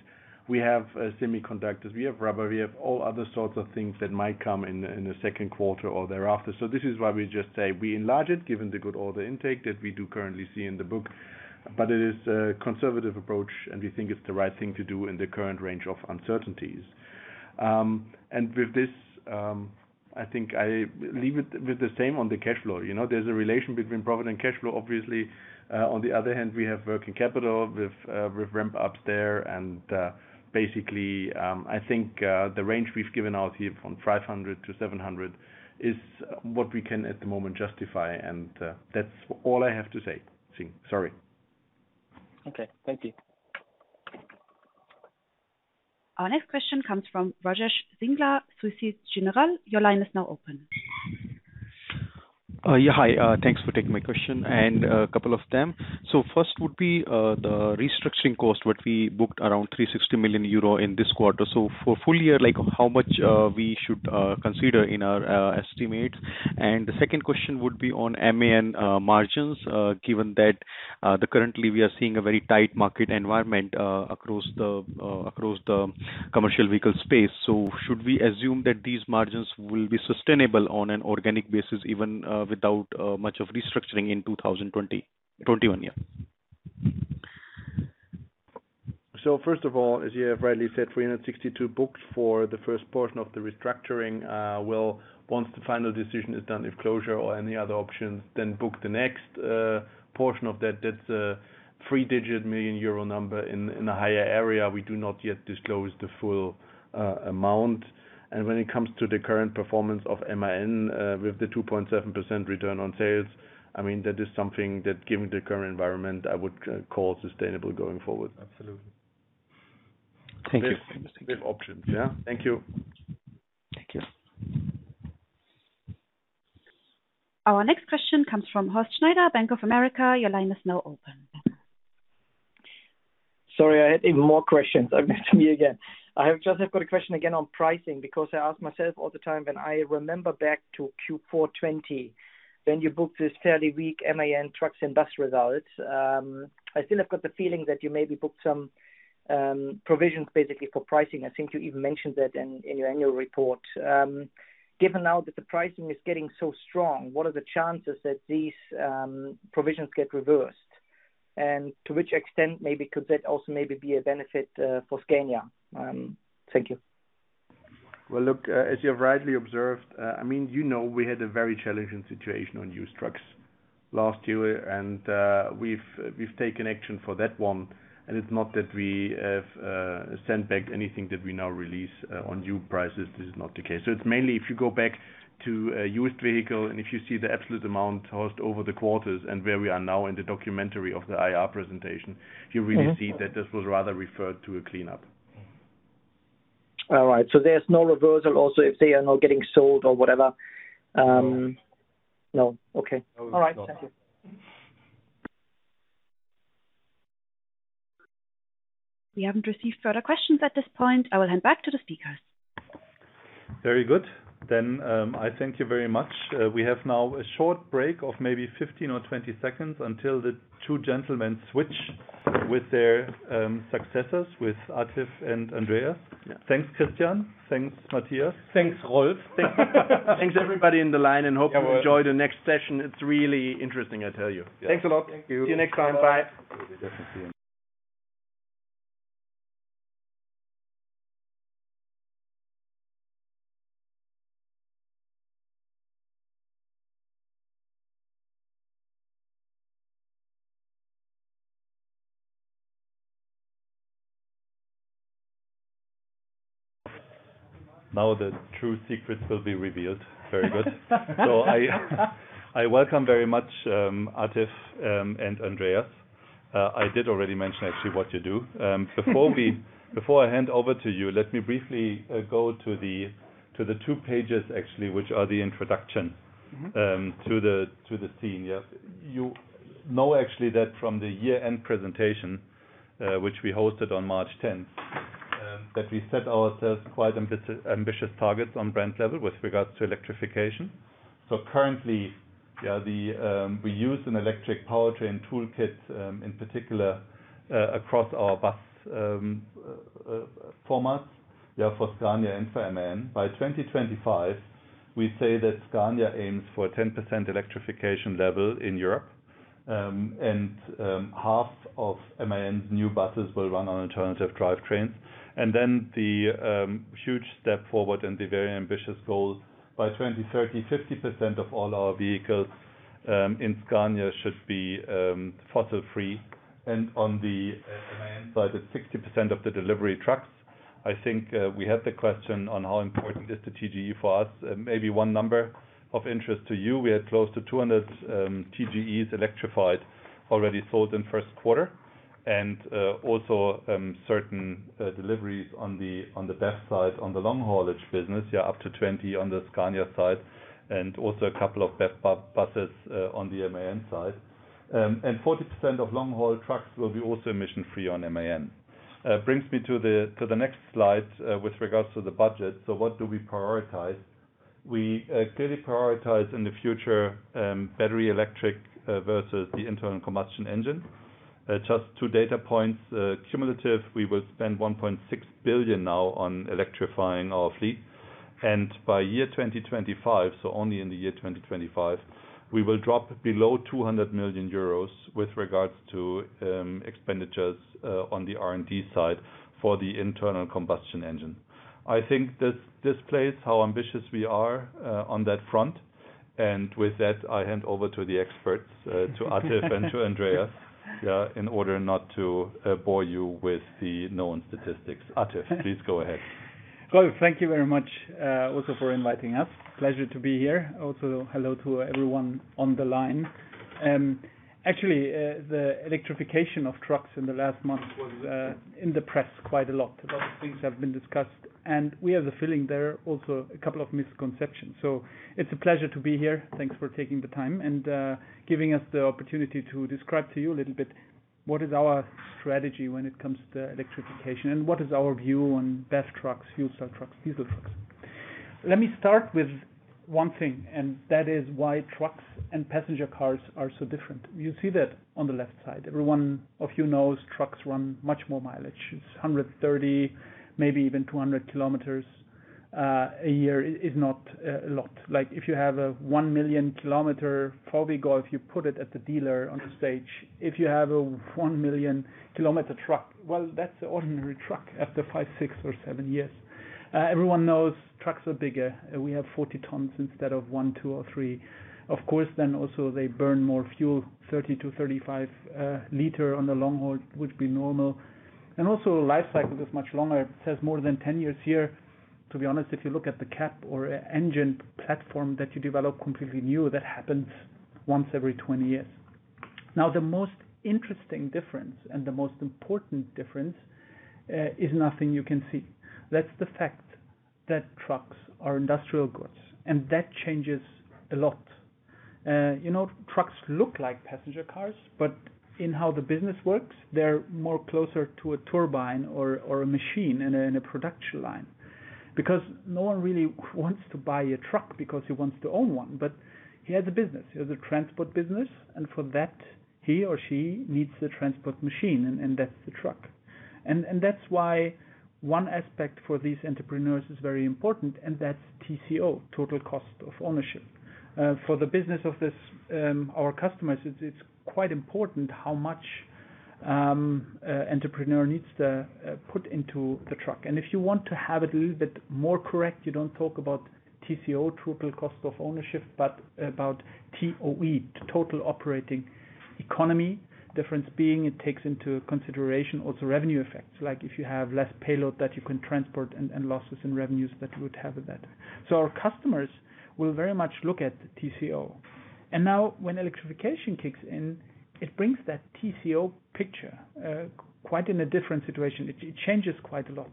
We have semiconductors, we have rubber, we have all other sorts of things that might come in the second quarter or thereafter. This is why we just say we enlarge it given the good order intake that we do currently see in the book, but it is a conservative approach, and we think it's the right thing to do in the current range of uncertainties. With this, I think I leave it with the same on the cash flow. There's a relation between profit and cash flow, obviously. On the other hand, we have working capital with ramp-ups there, basically, I think the range we've given out here from 500-700 is what we can at the moment justify, that's all I have to say, Weitert. Sorry. Okay. Thank you. Our next question comes from Rajesh Singla, Societe Generale. Your line is now open. Hi. Thanks for taking my question, and a couple of them. First would be the restructuring cost that we booked around 360 million euro in this quarter. For a full year, how much we should consider in our estimate. The second question would be on MAN margins, given that currently we are seeing a very tight market environment across the commercial vehicle space. Should we assume that these margins will be sustainable on an organic basis, even without much of restructuring in 2021? First of all, as you have rightly said, 362 booked for the first portion of the restructuring. Once the final decision is done, if closure or any other options, then book the next portion of that. That's a three-digit million EUR number in a higher area. We do not yet disclose the full amount. When it comes to the current performance of MAN with the 2.7% return on sales, that is something that given the current environment, I would call sustainable going forward. Absolutely. Okay. Options, yeah. Thank you. Thank you. Our next question comes from Horst Schneider, Bank of America. Your line is now open. Sorry, I have even more questions. It's me again. I just have a question again on pricing because I ask myself all the time, and I remember back to Q4 2020, when you booked this fairly weak MAN Truck & Bus result. I still have got the feeling that you maybe booked some provisions basically for pricing. I think you even mentioned that in your annual report. Given now that the pricing is getting so strong, what are the chances that these provisions get reversed? To which extent maybe could that also maybe be a benefit for Scania? Thank you. Look, as you have rightly observed, we had a very challenging situation on used trucks last year, and we've taken action for that one, and it's not that we have sandbagged anything that we now release on new prices. This is not the case. It's mainly if you go back to a used vehicle, and if you see the absolute amount housed over the quarters and where we are now in the document of the IR presentation, you really see that this was rather referred to a cleanup. All right. There's no reversal also if they are not getting sold or whatever. No. No. Okay. All right. Thank you. We haven't received further questions at this point. I will hand back to the speakers. Very good. I thank you very much. We have now a short break of maybe 15 or 20 seconds until the two gentlemen switch with their successors, with Atif and Andreas. Thanks, Christian. Thanks, Matthias. Thanks, Rolf. Thanks everybody in the line. Hope you enjoy the next session. It's really interesting, I tell you. Thanks a lot. Thank you. See you next time. Bye. See you. The true secrets will be revealed. Very good. I welcome very much, Atif and Andreas. I did already mention actually what you do. Before I hand over to you, let me briefly go to the two pages, actually, which are the introduction to the scene. You know, actually, that from the year-end presentation, which we hosted on March 10th, that we set ourselves quite ambitious targets on brand level with regards to electrification. Currently, we use an electric powertrain toolkit, in particular, across our bus formats for Scania and for MAN. By 2025, we say that Scania aims for a 10% electrification level in Europe, and half of MAN's new buses will run on alternative drivetrains. The huge step forward and the very ambitious goals, by 2030, 50% of all our vehicles in Scania should be fossil-free, on the MAN side, it's 60% of the delivery trucks. I think we had the question on how important is the TGE for us. Maybe one number of interest to you, we had close to 200 TGEs electrified already sold in first quarter, and also certain deliveries on the BEV side on the long haulage business, up to 20 on the Scania side, and also a couple of BEV buses on the MAN side. 40% of long-haul trucks will be also emission-free on MAN. Brings me to the next slide with regards to the budget. What do we prioritize? We clearly prioritize in the future, battery electric, versus the internal combustion engine. Just two data points, cumulative, we will spend 1.6 billion now on electrifying our fleet, and by year 2025, so only in the year 2025, we will drop below 200 million euros with regards to expenditures on the R&D side for the internal combustion engine. I think this displays how ambitious we are on that front. With that, I hand over to the experts, to Atif and to Andreas, in order not to bore you with the known statistics. Atif, please go ahead. Thank you very much, also for inviting us. Pleasure to be here. Hello to everyone on the line. The electrification of trucks in the last month was in the press quite a lot. A lot of things have been discussed, and we have the feeling there are also a couple of misconceptions. It's a pleasure to be here. Thanks for taking the time and giving us the opportunity to describe to you a little bit what is our strategy when it comes to electrification and what is our view on BEV trucks, fuel cell trucks, diesel trucks. Let me start with one thing, and that is why trucks and passenger cars are so different. You see that on the left side. Every one of you knows trucks run much more mileage. It's 130, maybe even 200 km a year is not a lot. If you have a 1 million km you put it at the dealer on the stage. If you have a 1 million km truck, well, that's an ordinary truck after five, six, or seven years. Everyone knows trucks are bigger. We have 40 tons instead of one, two, or three. Of course, then also they burn more fuel, 30-35 L on the long haul would be normal. Life cycle is much longer. It says more than 10 years here. To be honest, if you look at the cab or engine platform that you develop completely new, that happens once every 20 years. The most interesting difference and the most important difference is nothing you can see. That's the fact that trucks are industrial goods, and that changes a lot. Trucks look like passenger cars, but in how the business works, they're more closer to a turbine or a machine in a production line. No one really wants to buy a truck because he wants to own one, but he has a business. He has a transport business, and for that, he or she needs the transport machine, and that's the truck. That's why one aspect for these entrepreneurs is very important, and that's TCO, total cost of ownership. For the business of our customers, it's quite important how much entrepreneur needs to put into the truck. If you want to have it a little bit more correct, you don't talk about TCO, total cost of ownership, but about TOE, total operating economy. Difference being, it takes into consideration also revenue effects, like if you have less payload that you can transport and losses in revenues that you would have with that. Our customers will very much look at TCO. Now, when electrification kicks in, it brings that TCO picture quite in a different situation. It changes quite a lot.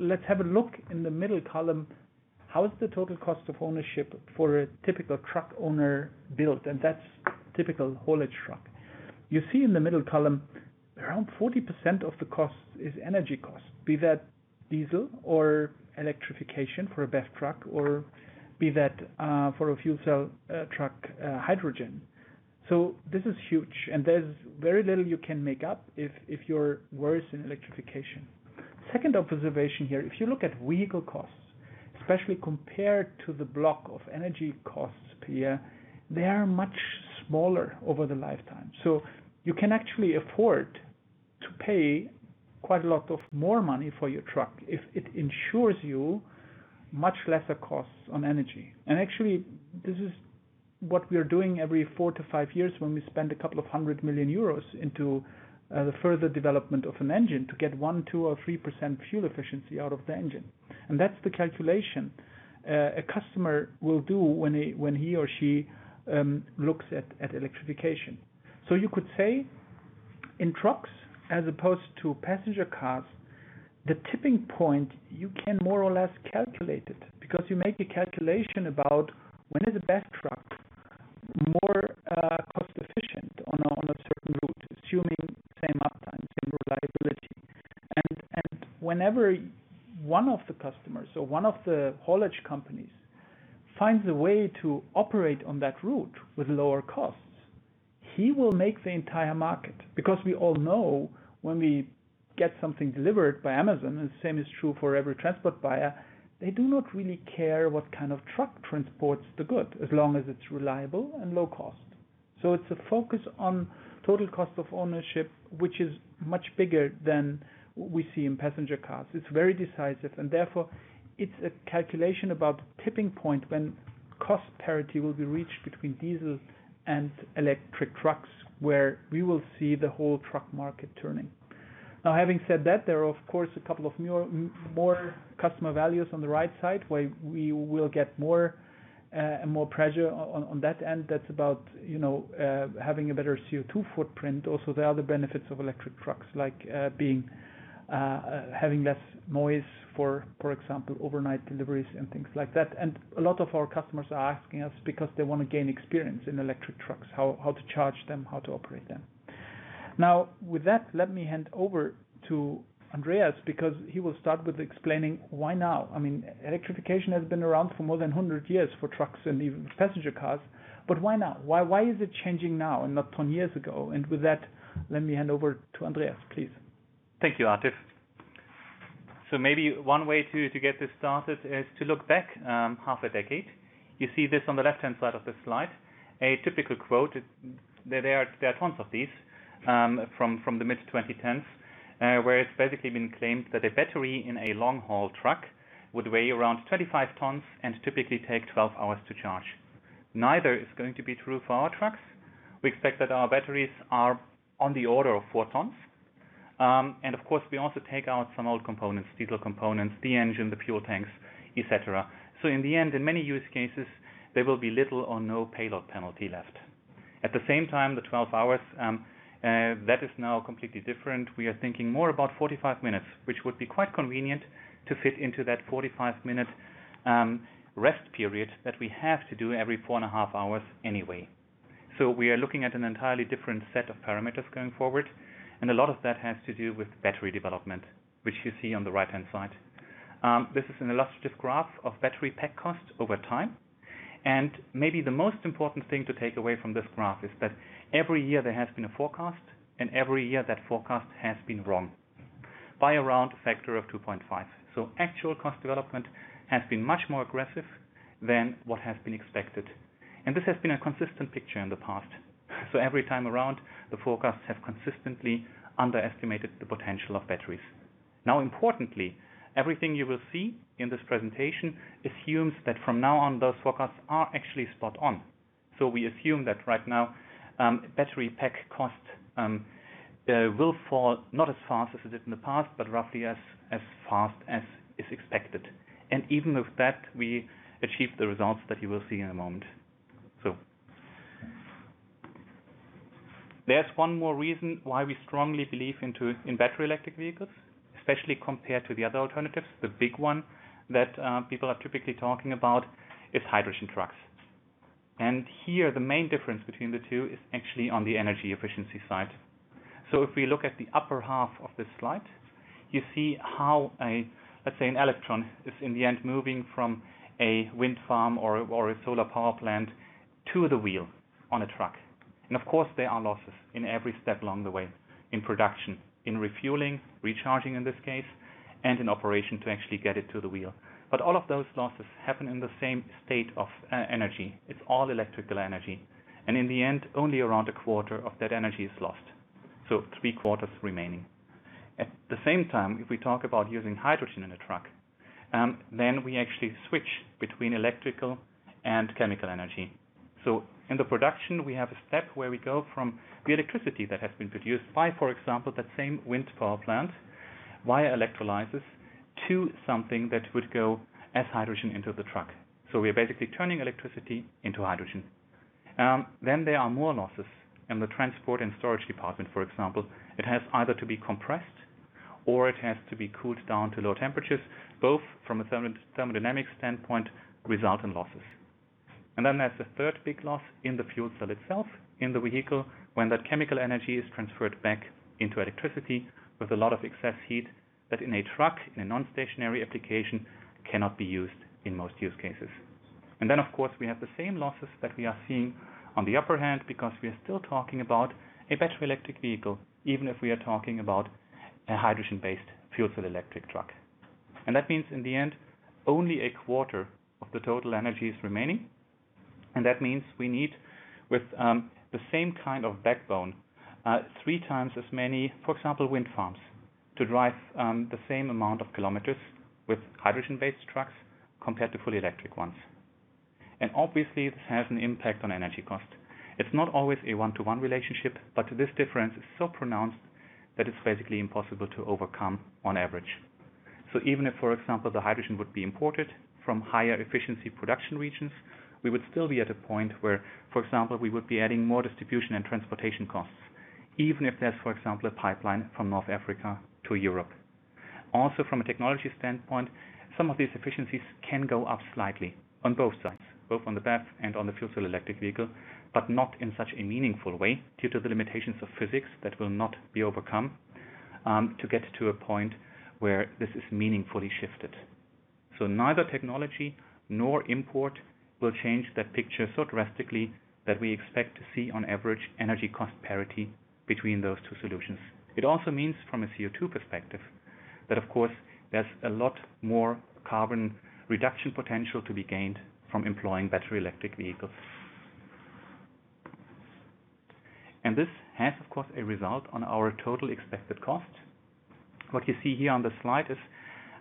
Let's have a look in the middle column. How is the total cost of ownership for a typical truck owner built? That's typical haulage truck. You see in the middle column, around 40% of the cost is energy cost, be that diesel or electrification for a BEV truck or be that for a fuel cell truck, hydrogen. This is huge, and there's very little you can make up if you're worse in electrification. Second observation here, if you look at vehicle costs, especially compared to the block of energy costs per year, they are much smaller over the lifetime. You can actually Pay quite a lot of more money for your truck if it ensures you much lesser costs on energy. Actually, this is what we are doing every four to five years when we spend a couple of 100 million euros into the further development of an engine to get 1%, 2%, or 3% fuel efficiency out of the engine. That's the calculation a customer will do when he or she looks at electrification. You could say in trucks, as opposed to passenger cars, the tipping point, you can more or less calculate it because you make a calculation about when is the BEV truck more cost-efficient on a certain route, assuming same uptime, same reliability. Whenever one of the customers or one of the haulage companies finds a way to operate on that route with lower costs, he will make the entire market, because we all know when we get something delivered by Amazon, and the same is true for every transport buyer, they do not really care what kind of truck transports the good, as long as it is reliable and low cost. It is a focus on total cost of ownership, which is much bigger than we see in passenger cars. It is very decisive and therefore it is a calculation about tipping point when cost parity will be reached between diesel and electric trucks, where we will see the whole truck market turning. Having said that, there are of course a couple of more customer values on the right side where we will get more and more pressure on that end. That's about having a better CO2 footprint. There are other benefits of electric trucks like having less noise for example, overnight deliveries and things like that. A lot of our customers are asking us because they want to gain experience in electric trucks, how to charge them, how to operate them. Now, with that, let me hand over to Andreas because he will start with explaining why now. Electrification has been around for more than 100 years for trucks and even passenger cars. Why now? Why is it changing now and not 20 years ago? With that, let me hand over to Andreas, please. Thank you, Atif. Maybe one way to get this started is to look back half a decade. You see this on the left-hand side of the slide. A typical quote, there are tons of these from the mid-2010s, where it's basically been claimed that a battery in a long haul truck would weigh around 35 tons and typically take 12 hours to charge. Neither is going to be true for our trucks. We expect that our batteries are on the order of four tons. Of course, we also take out some old components, diesel components, the engine, the fuel tanks, et cetera. In the end, in many use cases, there will be little or no payload penalty left. At the same time, the 12 hours, that is now completely different. We are thinking more about 45 minutes, which would be quite convenient to fit into that 45-minute rest period that we have to do every four and a half hours anyway. We are looking at an entirely different set of parameters going forward, and a lot of that has to do with battery development, which you see on the right-hand side. This is an illustrative graph of battery pack cost over time, and maybe the most important thing to take away from this graph is that every year there has been a forecast, and every year that forecast has been wrong by around a factor of 2.5. Actual cost development has been much more aggressive than what has been expected, and this has been a consistent picture in the past. Every time around, the forecasts have consistently underestimated the potential of batteries. Importantly, everything you will see in this presentation assumes that from now on, those forecasts are actually spot on. We assume that right now, battery pack cost will fall, not as fast as it did in the past, but roughly as fast as is expected. Even with that, we achieve the results that you will see in a moment. There's one more reason why we strongly believe in battery electric vehicles, especially compared to the other alternatives. The big one that people are typically talking about is hydrogen trucks. Here, the main difference between the two is actually on the energy efficiency side. If we look at the upper half of this slide, you see how, let's say an electron is in the end moving from a wind farm or a solar power plant to the wheel on a truck. Of course, there are losses in every step along the way, in production, in refueling, recharging in this case, and in operation to actually get it to the wheel. All of those losses happen in the same state of energy. It's all electrical energy, and in the end, only around a quarter of that energy is lost, so three quarters remaining. At the same time, if we talk about using hydrogen in a truck, we actually switch between electrical and chemical energy. In the production, we have a step where we go from the electricity that has been produced by, for example, that same wind power plant, via electrolysis to something that would go as hydrogen into the truck. There are more losses in the transport and storage department, for example. It has either to be compressed or it has to be cooled down to low temperatures, both from a thermodynamic standpoint, result in losses. There's the third big loss in the fuel cell itself in the vehicle when that chemical energy is transferred back into electricity with a lot of excess heat that in a truck, in a non-stationary application, cannot be used in most use cases. Of course, we have the same losses that we are seeing on the upper hand because we are still talking about a battery electric vehicle, even if we are talking about a hydrogen-based fuel cell electric truck. That means in the end, only a quarter of the total energy is remaining. That means we need, with the same kind of backbone, three times as many, for example, wind farms to drive the same amount of km with hydrogen-based trucks compared to fully electric ones. Obviously, this has an impact on energy cost. It's not always a one-to-one relationship, but this difference is so pronounced that it's basically impossible to overcome on average. Even if, for example, the hydrogen would be imported from higher efficiency production regions, we would still be at a point where, for example, we would be adding more distribution and transportation costs, even if there's, for example, a pipeline from North Africa to Europe. From a technology standpoint, some of these efficiencies can go up slightly on both sides, both on the BEV and on the fuel cell electric vehicle, but not in such a meaningful way due to the limitations of physics that will not be overcome, to get to a point where this is meaningfully shifted. Neither technology nor import will change that picture so drastically that we expect to see, on average, energy cost parity between those two solutions. It also means, from a CO2 perspective, that of course, there's a lot more carbon reduction potential to be gained from employing battery electric vehicles. This has, of course, a result on our total expected cost. What you see here on the slide is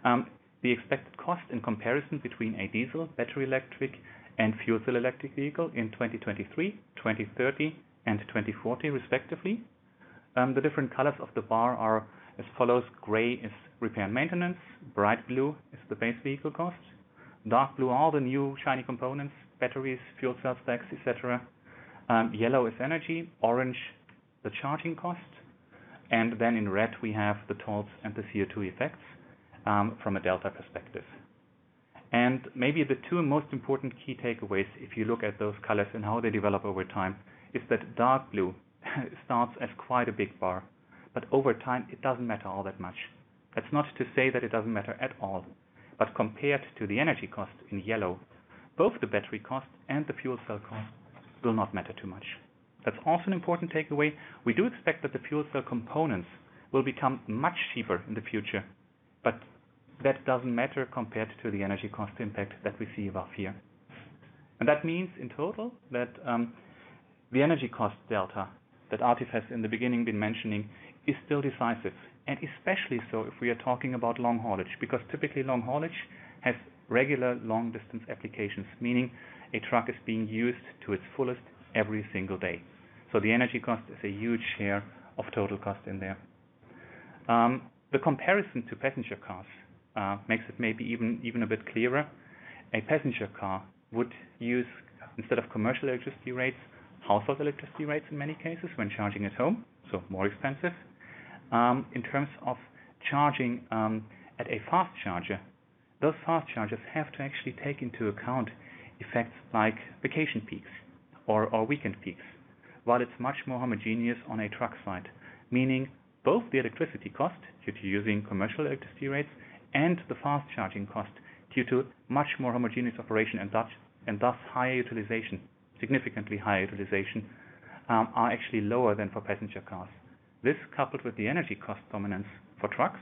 the expected cost in comparison between a diesel battery electric and fuel cell electric vehicle in 2023, 2030, and 2040 respectively. The different colors of the bar are as follows: gray is repair and maintenance, bright blue is the base vehicle cost, dark blue are the new shiny components, batteries, fuel cell stacks, et cetera. Yellow is energy, orange the charging cost, and then in red, we have the tolls and the CO2 effects from a delta perspective. Maybe the two most important key takeaways, if you look at those colors and how they develop over time, is that dark blue starts as quite a big bar, but over time, it doesn't matter all that much. That's not to say that it doesn't matter at all, but compared to the energy cost in yellow, both the battery cost and the fuel cell cost will not matter too much. That's also an important takeaway. We do expect that the fuel cell components will become much cheaper in the future, that doesn't matter compared to the energy cost impact that we see above here. That means, in total, that the energy cost delta that Atif has in the beginning been mentioning is still decisive, and especially so if we are talking about long haulage. Typically, long haulage has regular long-distance applications, meaning a truck is being used to its fullest every single day. The energy cost is a huge share of total cost in there. The comparison to passenger cars makes it maybe even a bit clearer. A passenger car would use, instead of commercial electricity rates, household electricity rates in many cases when charging at home, so more expensive. In terms of charging at a fast charger, those fast chargers have to actually take into account effects like vacation peaks or weekend peaks. While it's much more homogeneous on a truck site, meaning both the electricity cost due to using commercial electricity rates and the fast charging cost due to much more homogeneous operation and thus higher utilization, significantly higher utilization, are actually lower than for passenger cars. This, coupled with the energy cost dominance for trucks,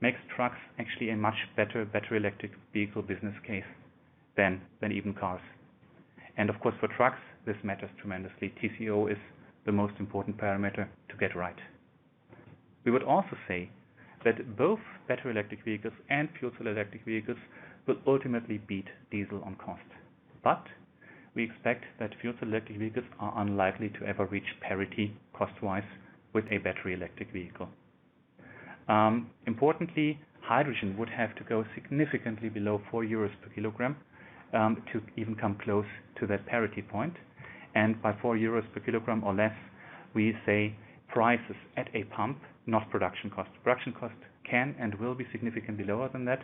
makes trucks actually a much better battery electric vehicle business case than even cars. Of course, for trucks, this matters tremendously. TCO is the most important parameter to get right. We would also say that both battery electric vehicles and fuel cell electric vehicles will ultimately beat diesel on cost. We expect that fuel cell electric vehicles are unlikely to ever reach parity cost-wise with a battery electric vehicle. Importantly, hydrogen would have to go significantly below 4 euros per kg to even come close to that parity point. By 4 euros per kg or less, we say prices at a pump, not production cost. Production cost can and will be significantly lower than that,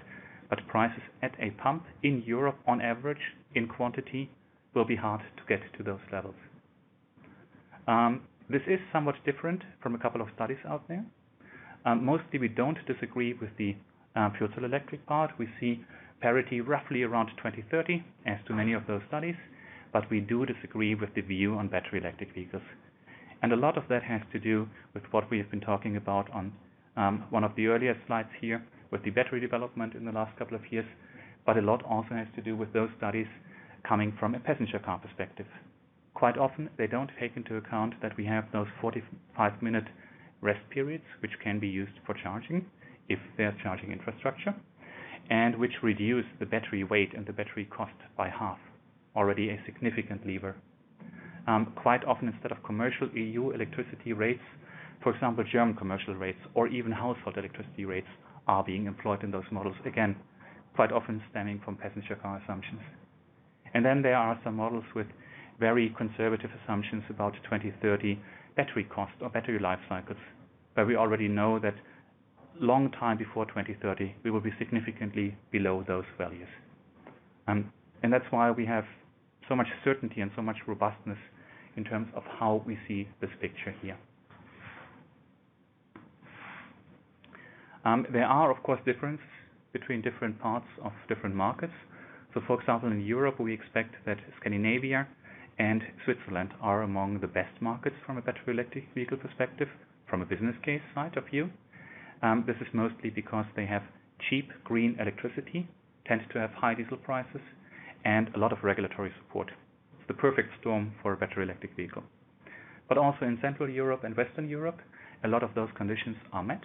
but prices at a pump in Europe, on average, in quantity, will be hard to get to those levels. This is somewhat different from a couple of studies out there. Mostly, we don't disagree with the fuel cell electric part. We see parity roughly around 2030 as to many of those studies. We do disagree with the view on battery electric vehicles. A lot of that has to do with what we have been talking about on one of the earlier slides here with the battery development in the last couple of years. A lot also has to do with those studies coming from a passenger car perspective. Quite often, they don't take into account that we have those 45-minute rest periods, which can be used for charging if there's charging infrastructure, and which reduce the battery weight and the battery cost by half. Already a significant lever. Quite often, instead of commercial EU electricity rates, for example, German commercial rates or even household electricity rates are being employed in those models. Quite often stemming from passenger car assumptions. There are some models with very conservative assumptions about 2030 battery cost or battery life cycles, where we already know that long time before 2030, we will be significantly below those values. That's why we have so much certainty and so much robustness in terms of how we see this picture here. There are, of course, difference between different parts of different markets. For example, in Europe, we expect that Scandinavia and Switzerland are among the best markets from a battery electric vehicle perspective, from a business case side of view. This is mostly because they have cheap green electricity, tends to have high diesel prices, and a lot of regulatory support. It's the perfect storm for a battery electric vehicle. Also in Central Europe and Western Europe, a lot of those conditions are met.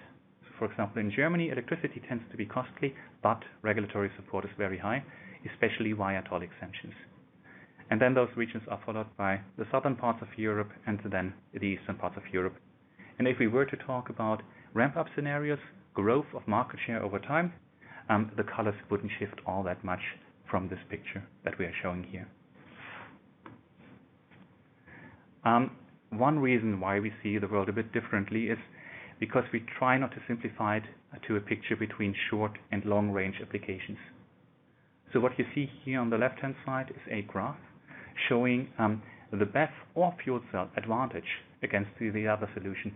For example, in Germany, electricity tends to be costly, but regulatory support is very high, especially via toll exemptions. Those regions are followed by the southern parts of Europe, the eastern parts of Europe. If we were to talk about ramp-up scenarios, growth of market share over time, the colors wouldn't shift all that much from this picture that we are showing here. One reason why we see the world a bit differently is because we try not to simplify it to a picture between short and long-range applications. What you see here on the left-hand side is a graph showing the BEV or Fuel Cells advantage against the other solution.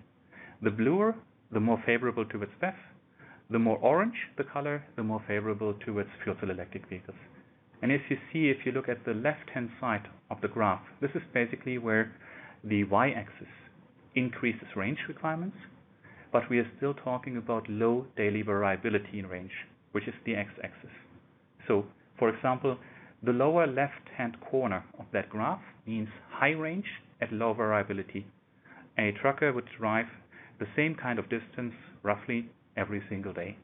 The bluer, the more favorable towards BEV, the more orange the color, the more favorable towards Fuel Cells electric vehicles. As you see, if you look at the left-hand side of the graph, this is basically where the y-axis increases range requirements, but we are still talking about low daily variability in range, which is the x-axis. For example, the lower left-hand corner of that graph means high range at low variability. A trucker would drive the same kind of distance roughly every single day.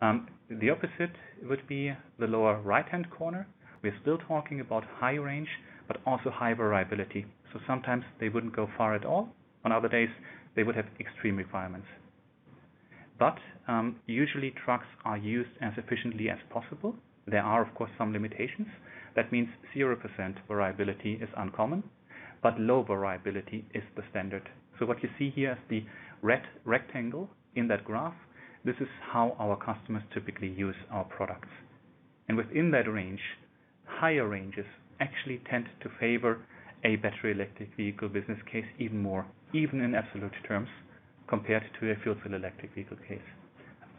The opposite would be the lower right-hand corner. We're still talking about high range, but also high variability. Sometimes they wouldn't go far at all. On other days, they would have extreme requirements. Usually, trucks are used as efficiently as possible. There are, of course, some limitations. That means 0% variability is uncommon, but low variability is the standard. What you see here is the red rectangle in that graph, this is how our customers typically use our products. Within that range, higher ranges actually tend to favor a battery electric vehicle business case even more, even in absolute terms, compared to a fuel cell electric vehicle case.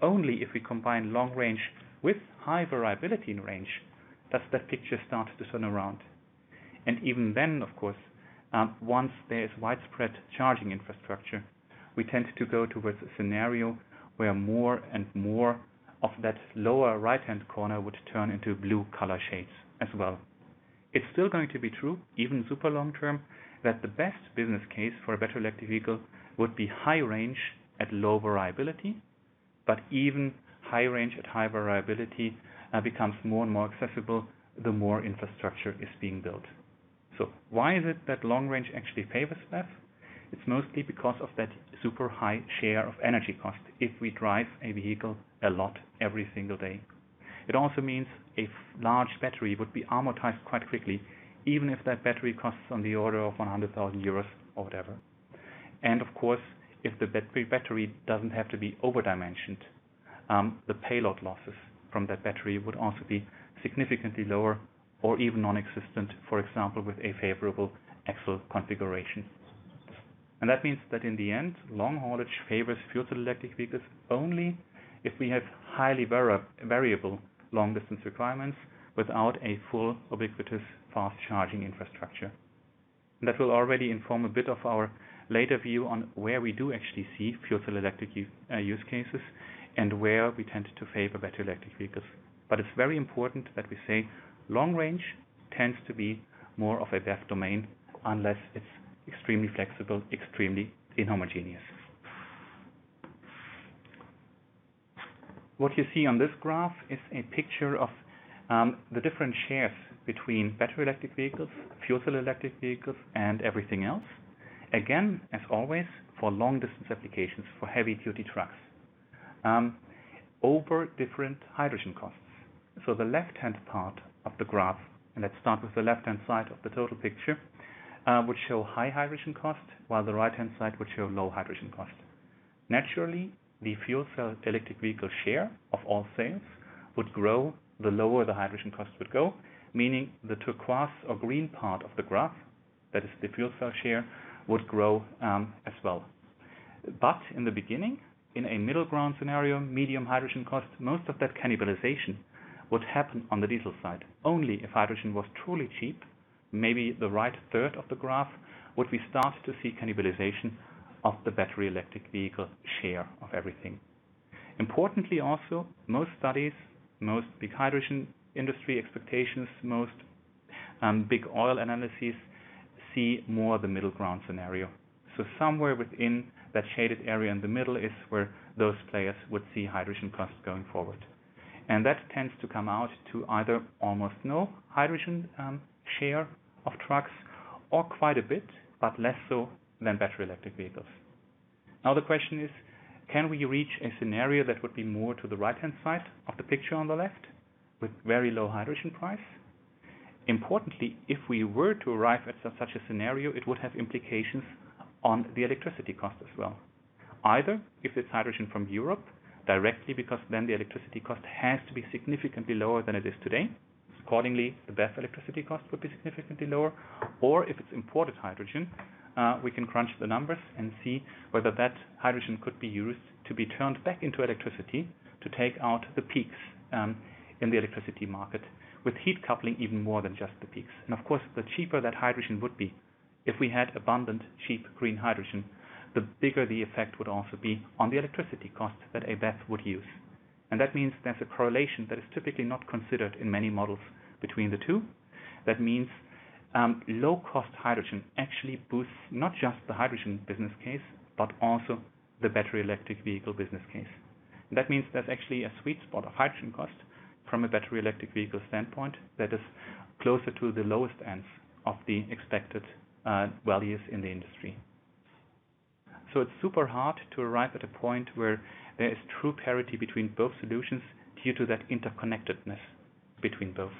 Only if we combine long range with high variability in range, does that picture start to turn around. Even then, of course, once there is widespread charging infrastructure, we tend to go towards a scenario where more and more of that lower right-hand corner would turn into blue color shades as well. It's still going to be true, even super long-term, that the best business case for a battery electric vehicle would be high range at low variability, but even high range at high variability becomes more and more accessible the more infrastructure is being built. Why is it that long range actually favors BEV? It's mostly because of that super high share of energy cost if we drive a vehicle a lot every single day. It also means a large battery would be amortized quite quickly, even if that battery costs on the order of 100,000 euros or whatever. Of course, if the battery doesn't have to be over-dimensioned, the payload losses from that battery would also be significantly lower or even non-existent, for example, with a favorable axle configuration. That means that in the end, long haulage favors fuel cell electric vehicles only if we have highly variable long-distance requirements without a full ubiquitous fast charging infrastructure. That will already inform a bit of our later view on where we do actually see fuel cell electric use cases and where we tend to favor battery electric vehicles. It's very important that we say long range tends to be more of a BEV domain unless it's extremely flexible, extremely inhomogeneous. What you see on this graph is a picture of the different shares between battery electric vehicles, fuel cell electric vehicles, and everything else. Again, as always, for long-distance applications for heavy-duty trucks, over different hydrogen costs. The left-hand part of the graph, and let's start with the left-hand side of the total picture, would show high hydrogen cost, while the right-hand side would show low hydrogen cost. Naturally, the fuel cell electric vehicle share of all sales would grow the lower the hydrogen cost would go, meaning the turquoise or green part of the graph, that is the fuel cell share, would grow as well. In the beginning, in a middle ground scenario, medium hydrogen cost, most of that cannibalization would happen on the diesel side. Only if hydrogen was truly cheap, maybe the right third of the graph, would we start to see cannibalization of the battery electric vehicle share of everything. Importantly, also, most studies, most big hydrogen industry expectations, most big oil analyses see more the middle ground scenario. Somewhere within that shaded area in the middle is where those players would see hydrogen costs going forward. That tends to come out to either almost no hydrogen share of trucks or quite a bit, but less so than battery electric vehicles. The question is: Can we reach a scenario that would be more to the right-hand side of the picture on the left with very low hydrogen price? Importantly, if we were to arrive at such a scenario, it would have implications on the electricity cost as well. Either if it's hydrogen from Europe directly, because then the electricity cost has to be significantly lower than it is today. Accordingly, the BEV electricity cost would be significantly lower, or if it's imported hydrogen, we can crunch the numbers and see whether that hydrogen could be used to be turned back into electricity to take out the peaks in the electricity market with heat coupling even more than just the peaks. Of course, the cheaper that hydrogen would be. If we had abundant, cheap green hydrogen, the bigger the effect would also be on the electricity cost that a BEV would use. That means there's a correlation that is typically not considered in many models between the two. That means low cost hydrogen actually boosts not just the hydrogen business case, but also the battery electric vehicle business case. That means there's actually a sweet spot of hydrogen cost from a battery electric vehicle standpoint that is closer to the lowest ends of the expected values in the industry. It's super hard to arrive at a point where there is true parity between both solutions due to that interconnectedness between both.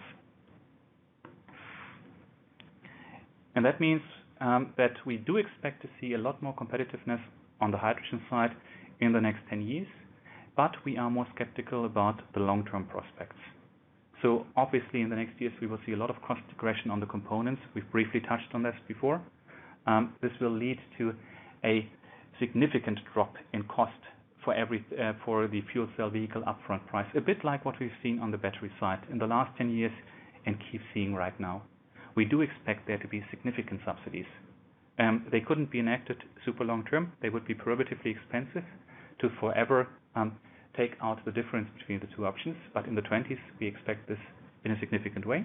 That means that we do expect to see a lot more competitiveness on the hydrogen side in the next 10 years, but we are more skeptical about the long-term prospects. Obviously, in the next years, we will see a lot of cost regression on the components. We've briefly touched on this before. This will lead to a significant drop in cost for the fuel cell vehicle upfront price, a bit like what we've seen on the battery side in the last 10 years and keep seeing right now. We do expect there to be significant subsidies. They couldn't be enacted super long term. They would be prohibitively expensive to forever take out the difference between the two options. In the '20s, we expect this in a significant way,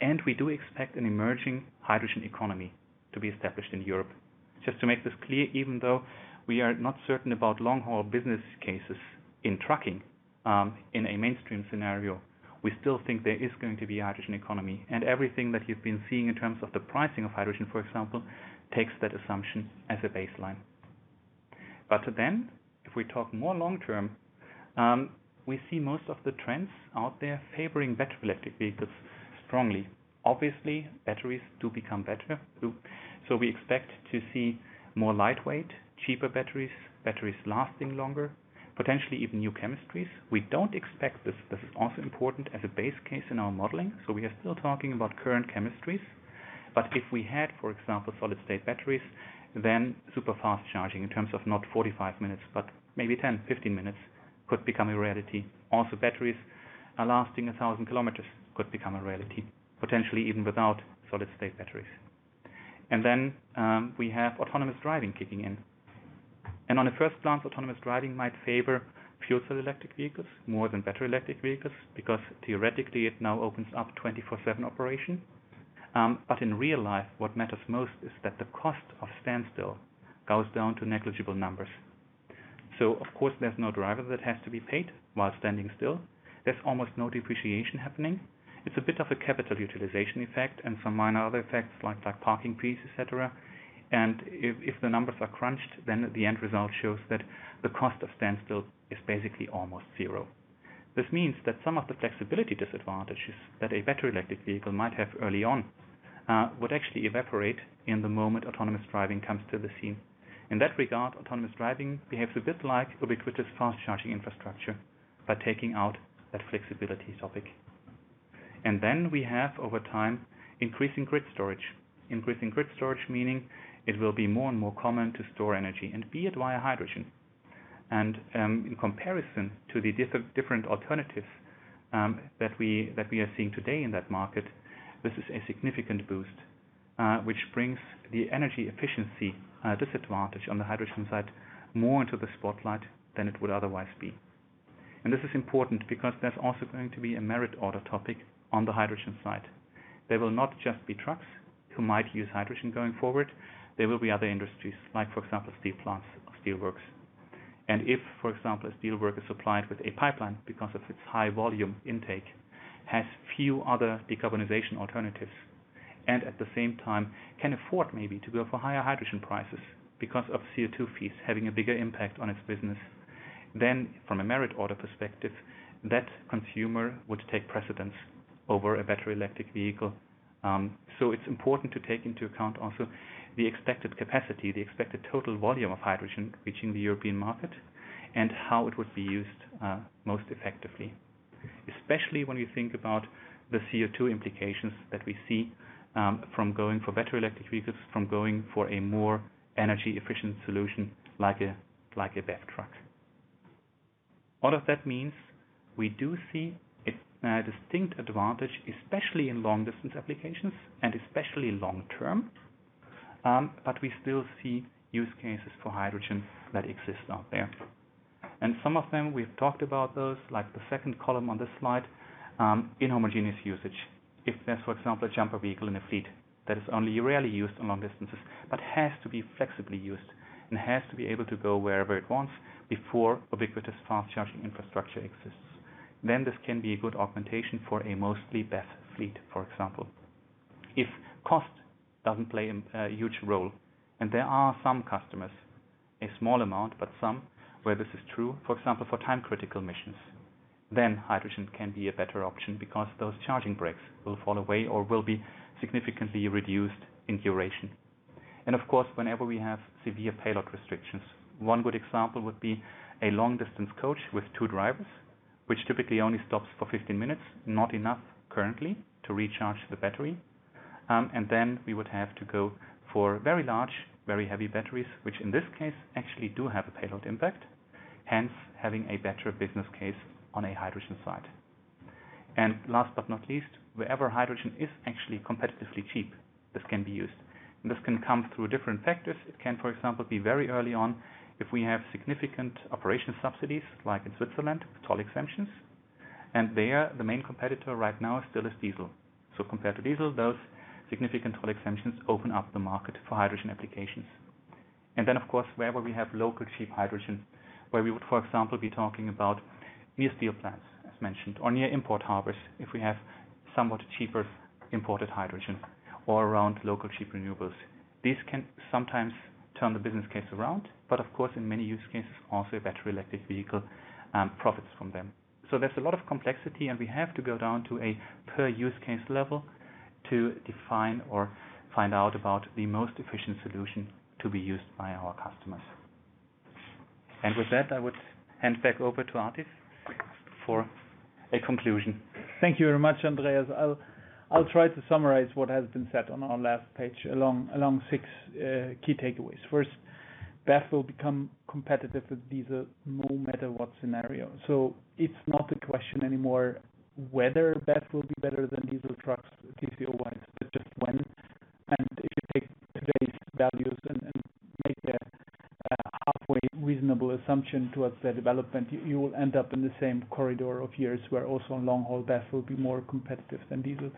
and we do expect an emerging hydrogen economy to be established in Europe. To make this clear, even though we are not certain about long-haul business cases in trucking, in a mainstream scenario, we still think there is going to be a hydrogen economy, and everything that you've been seeing in terms of the pricing of hydrogen, for example, takes that assumption as a baseline. If we talk more long term, we see most of the trends out there favoring battery electric vehicles strongly. Obviously, batteries do become better, so we expect to see more lightweight, cheaper batteries lasting longer, potentially even new chemistries. We don't expect this. This is also important as a base case in our modeling. We are still talking about current chemistries, but if we had, for example, solid-state batteries, then super fast charging in terms of not 45 minutes, but maybe 10, 15 minutes, could become a reality. Also, batteries lasting 1,000 km could become a reality, potentially even without solid-state batteries. Then we have autonomous driving kicking in. On a first glance, autonomous driving might favor fuel cell electric vehicles more than battery electric vehicles because theoretically, it now opens up 24/7 operation. In real life, what matters most is that the cost of standstill goes down to negligible numbers. Of course, there's no driver that has to be paid while standing still. There's almost no depreciation happening. It's a bit of a capital utilization effect and some minor other effects like parking fees, et cetera. If the numbers are crunched, then the end result shows that the cost of standstill is basically almost zero. This means that some of the flexibility disadvantages that a battery electric vehicle might have early on would actually evaporate in the moment autonomous driving comes to the scene. In that regard, autonomous driving behaves a bit like ubiquitous fast charging infrastructure by taking out that flexibility topic. Then we have, over time, increasing grid storage. Increasing grid storage meaning it will be more and more common to store energy and be it via hydrogen. In comparison to the different alternatives that we are seeing today in that market, this is a significant boost, which brings the energy efficiency disadvantage on the hydrogen side more into the spotlight than it would otherwise be. This is important because there's also going to be a merit order topic on the hydrogen side. There will not just be trucks who might use hydrogen going forward. There will be other industries like, for example, steel plants or steelworks. If, for example, a steelworks supplied with a pipeline because of its high volume intake, has few other decarbonization alternatives, and at the same time can afford maybe to go for higher hydrogen prices because of CO2 fees having a bigger impact on its business, then from a merit order perspective, that consumer would take precedence over a battery electric vehicle. It's important to take into account also the expected capacity, the expected total volume of hydrogen reaching the European market and how it would be used most effectively, especially when we think about the CO2 implications that we see from going for battery electric vehicles, from going for a more energy efficient solution like a BEV truck. All of that means we do see a distinct advantage, especially in long distance applications and especially long term, but we still see use cases for hydrogen that exist out there. Some of them, we've talked about those, like the second column on this slide, in homogeneous usage. If there's, for example, a jumper vehicle in a fleet that is only rarely used on long distances, but has to be flexibly used and has to be able to go wherever it wants before ubiquitous fast charging infrastructure exists, then this can be a good augmentation for a mostly BEV fleet, for example. If cost doesn't play a huge role, and there are some customers, a small amount, but some where this is true, for example, for time critical missions, then hydrogen can be a better option because those charging breaks will fall away or will be significantly reduced in duration. Of course, whenever we have severe payload restrictions. One good example would be a long distance coach with two drivers, which typically only stops for 15 minutes, not enough currently to recharge the battery. Then we would have to go for very large, very heavy batteries, which in this case actually do have a payload impact, hence having a better business case on a hydrogen side. Last but not least, wherever hydrogen is actually competitively cheap, this can be used, and this can come through different factors. It can, for example, be very early on if we have significant operational subsidies, like in Switzerland, toll exemptions. There, the main competitor right now still is diesel. Compared to diesel, those significant toll exemptions open up the market for hydrogen applications. Then, of course, wherever we have local cheap hydrogen, where we would, for example, be talking about near steel plants, as mentioned, or near import harbors, if we have somewhat cheaper imported hydrogen, or around local cheap renewables. These can sometimes turn the business case around, but of course, in many use cases, also a battery electric vehicle profits from them. There's a lot of complexity, and we have to go down to a per use case level to define or find out about the most efficient solution to be used by our customers. With that, I would hand back over to Atif Askar for a conclusion. Thank you very much, Andreas. I'll try to summarize what has been said on our last page along six key takeaways. BEV will become competitive with diesel, no matter what scenario. It's not a question anymore whether BEV will be better than diesel trucks TCO-wise, but just when. If you take today's values and make a halfway reasonable assumption towards their development, you will end up in the same corridor of years, where also in long haul, BEV will be more competitive than diesel.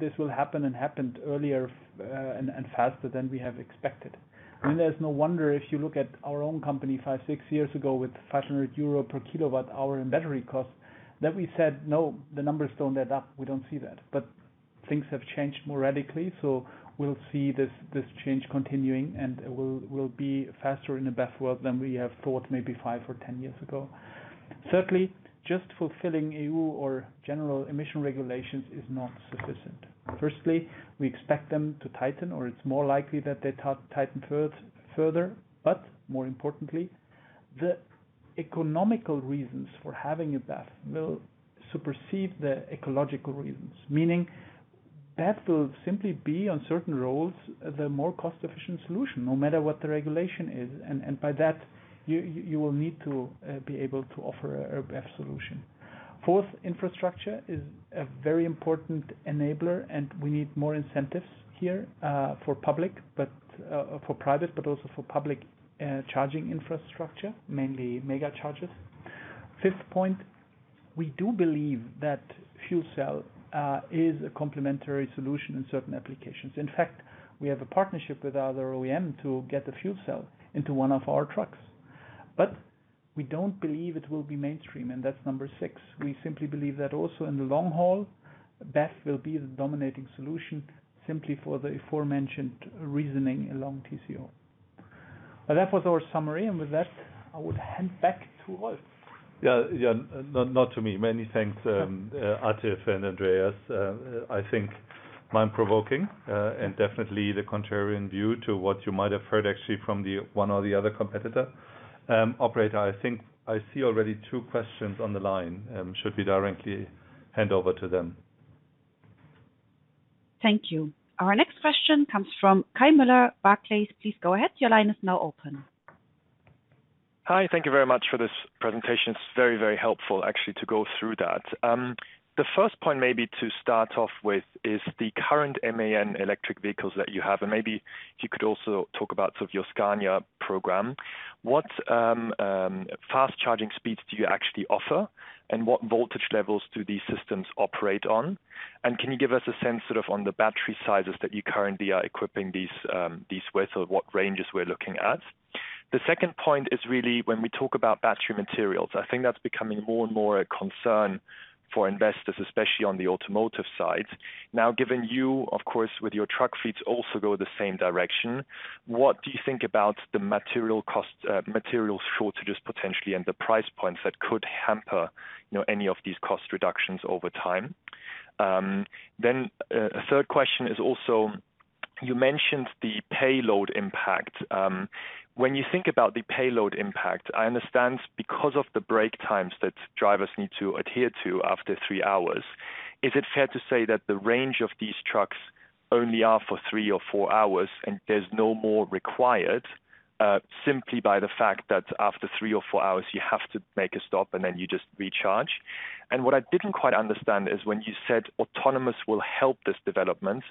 This will happen and happened earlier and faster than we have expected. There's no wonder, if you look at our own company five, six years ago with 500 euro per kWh in battery costs, that we said, "No, the numbers don't add up. We don't see that. Things have changed more radically, we'll see this change continuing, and it will be faster in the BEV world than we have thought maybe five or 10 years ago. Thirdly, just fulfilling EU or general emission regulations is not sufficient. Firstly, we expect them to tighten, or it's more likely that they tighten further. More importantly, the economical reasons for having a BEV will supersede the ecological reasons, meaning BEV will simply be, on certain roads, the more cost-efficient solution, no matter what the regulation is. By that, you will need to be able to offer a BEV solution. Fourth, infrastructure is a very important enabler, and we need more incentives here for private, but also for public charging infrastructure, mainly mega chargers. Fifth point, we do believe that fuel cell is a complementary solution in certain applications. In fact, we have a partnership with our OEM to get the fuel cell into one of our trucks. We don't believe it will be mainstream, and that's number 6. We simply believe that also in the long haul, BEV will be the dominating solution, simply for the aforementioned reasoning along TCO. With that, I would hand back to Rolf. Yeah. Not to me. Many thanks, Atif and Andreas. I think mind-provoking and definitely the contrarian view to what you might have heard, actually, from the one or the other competitor. Operator, I think I see already two questions on the line. Should we directly hand over to them? Thank you. Our next question comes from Kai Mueller, Barclays. Please go ahead. Your line is now open. Hi. Thank you very much for this presentation. It's very helpful, actually, to go through that. First point maybe to start off with is the current MAN electric vehicles that you have, and maybe if you could also talk about your Scania program. What fast charging speeds do you actually offer, what voltage levels do these systems operate on? Can you give us a sense on the battery sizes that you currently are equipping these with, so what ranges we're looking at? Second point is really when we talk about battery materials, I think that's becoming more and more a concern for investors, especially on the automotive side. Given you, of course, with your truck fleets also go the same direction, what do you think about the material shortages, potentially, and the price points that could hamper any of these cost reductions over time? A third question is also, you mentioned the payload impact. When you think about the payload impact, I understand because of the break times that drivers need to adhere to after three hours, is it fair to say that the range of these trucks only are for three or four hours and there's no more required, simply by the fact that after three or four hours, you have to make a stop and then you just recharge? What I didn't quite understand is when you said autonomous will help this development.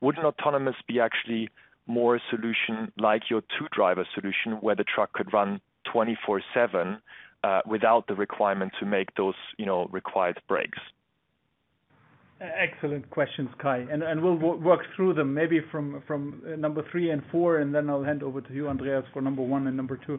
Wouldn't autonomous be actually more a solution like your two-driver solution, where the truck could run 24/7, without the requirement to make those required breaks? Excellent questions, Kai, we'll work through them, maybe from number three and four. Then I'll hand over to you, Andreas, for number one and number two.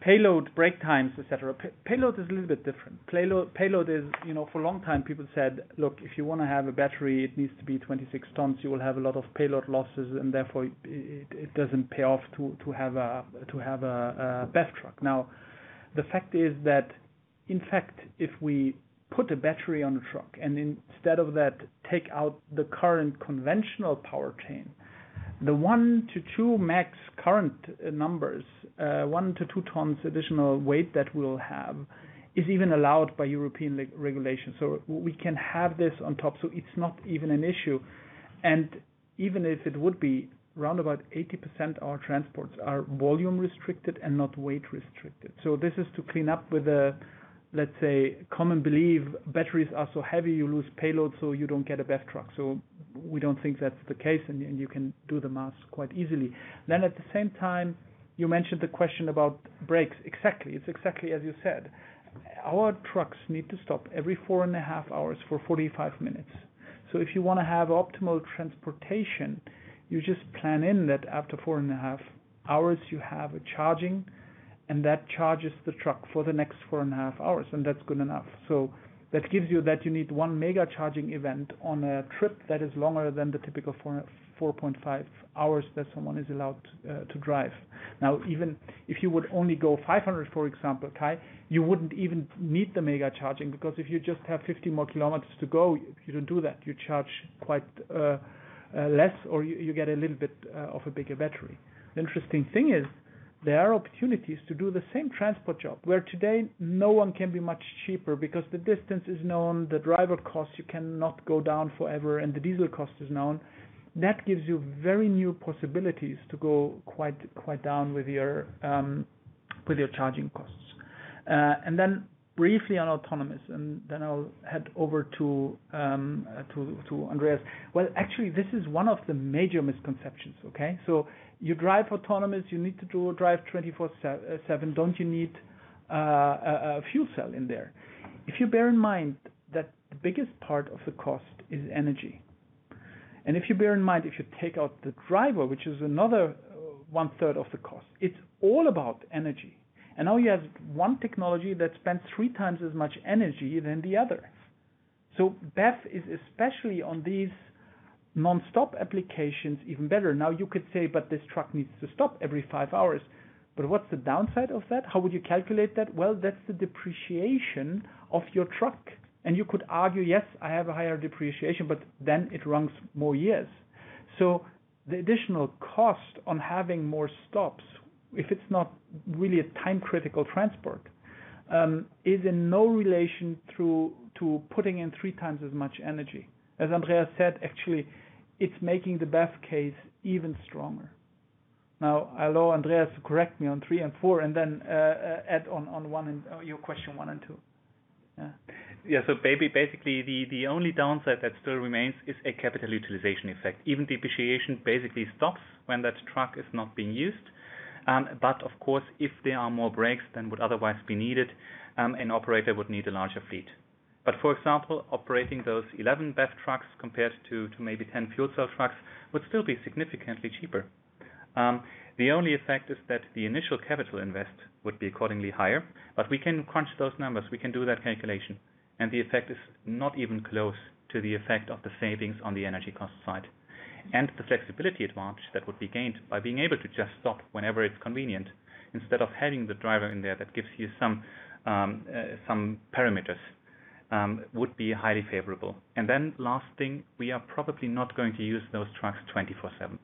Payload, break times, et cetera. Payload is a little bit different. Payload is, for a long time, people said, "Look, if you want to have a battery, it needs to be 26 tons. You will have a lot of payload losses. Therefore, it doesn't pay off to have a BEV truck." The fact is that, in fact, if we put a battery on a truck and instead of that, take out the current conventional power chain, the one to two max current numbers, one to two tons additional weight that we'll have, is even allowed by European regulation. We can have this on top, so it's not even an issue. And even if it would be, round about 80% of our transports are volume restricted and not weight restricted. This is to clean up with, let's say, common belief, batteries are so heavy, you lose payload, so you don't get a BEV truck. We don't think that's the case, and you can do the math quite easily. At the same time, you mentioned the question about brakes. Exactly. It's exactly as you said. Our trucks need to stop every four and a half hours for 45 minutes. If you want to have optimal transportation, you just plan in that after four and a half hours, you have a charging, and that charges the truck for the next four and a half hours, and that's good enough. That gives you that you need one mega charging event on a trip that is longer than the typical 4.5 hours that someone is allowed to drive. Even if you would only go 500, for example, Kai, you wouldn't even need the mega charging because if you just have 50 more km to go, you don't do that. You charge quite less, or you get a little bit of a bigger battery. The interesting thing is there are opportunities to do the same transport job where today no one can be much cheaper because the distance is known, the driver cost, you cannot go down forever, and the diesel cost is known. That gives you very new possibilities to go quite down with your charging costs. Briefly on autonomous, and then I'll hand over to Andreas. This is one of the major misconceptions, okay. You drive autonomous, you need to drive 24/7. Don't you need a fuel cell in there? If you bear in mind that the biggest part of the cost is energy, and if you bear in mind, if you take out the driver, which is another one third of the cost, it's all about energy. Now you have one technology that spends three times as much energy than the other. BEV is especially on these nonstop applications, even better. You could say, this truck needs to stop every five hours. What's the downside of that? How would you calculate that? That's the depreciation of your truck. You could argue, yes, I have a higher depreciation, but then it runs more years. The additional cost on having more stops, if it's not really a time critical transport, is in no relation to putting in three times as much energy. As Andreas said, actually, it's making the BEV case even stronger. I'll allow Andreas to correct me on three and four and then add on your question one and two. Yeah. Yeah. Basically, the only downside that still remains is a capital utilization effect. Even depreciation basically stops when that truck is not being used. Of course, if there are more breaks than would otherwise be needed, an operator would need a larger fleet. For example, operating those 11 BEV trucks compared to maybe 10 fuel cell trucks would still be significantly cheaper. The only effect is that the initial capital invest would be accordingly higher, but we can crunch those numbers. We can do that calculation, the effect is not even close to the effect of the savings on the energy cost side. The flexibility advantage that would be gained by being able to just stop whenever it's convenient, instead of having the driver in there that gives you some parameters, would be highly favorable. Last thing, we are probably not going to use those trucks 24/7.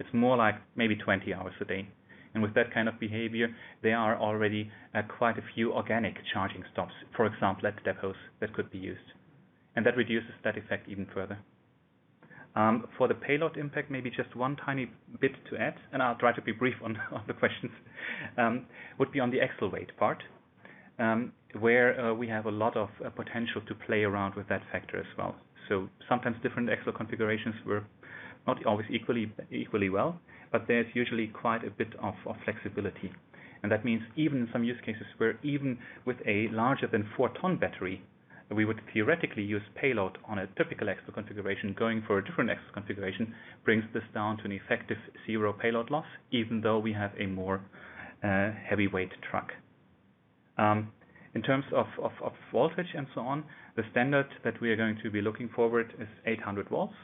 It's more like maybe 20 hours a day. With that kind of behavior, there are already quite a few organic charging stops, for example, at depots that could be used. That reduces that effect even further. For the payload impact, maybe just one tiny bit to add, and I'll try to be brief on the questions, would be on the axle weight part, where we have a lot of potential to play around with that factor as well. Sometimes different axle configurations work not always equally well, but there's usually quite a bit of flexibility. That means even in some use cases where even with a larger than four ton battery, we would theoretically use payload on a typical axle configuration. Going for a different axle configuration brings this down to an effective zero payload loss, even though we have a more heavyweight truck. In terms of voltage and so on, the standard that we are going to be looking forward is 800 volts.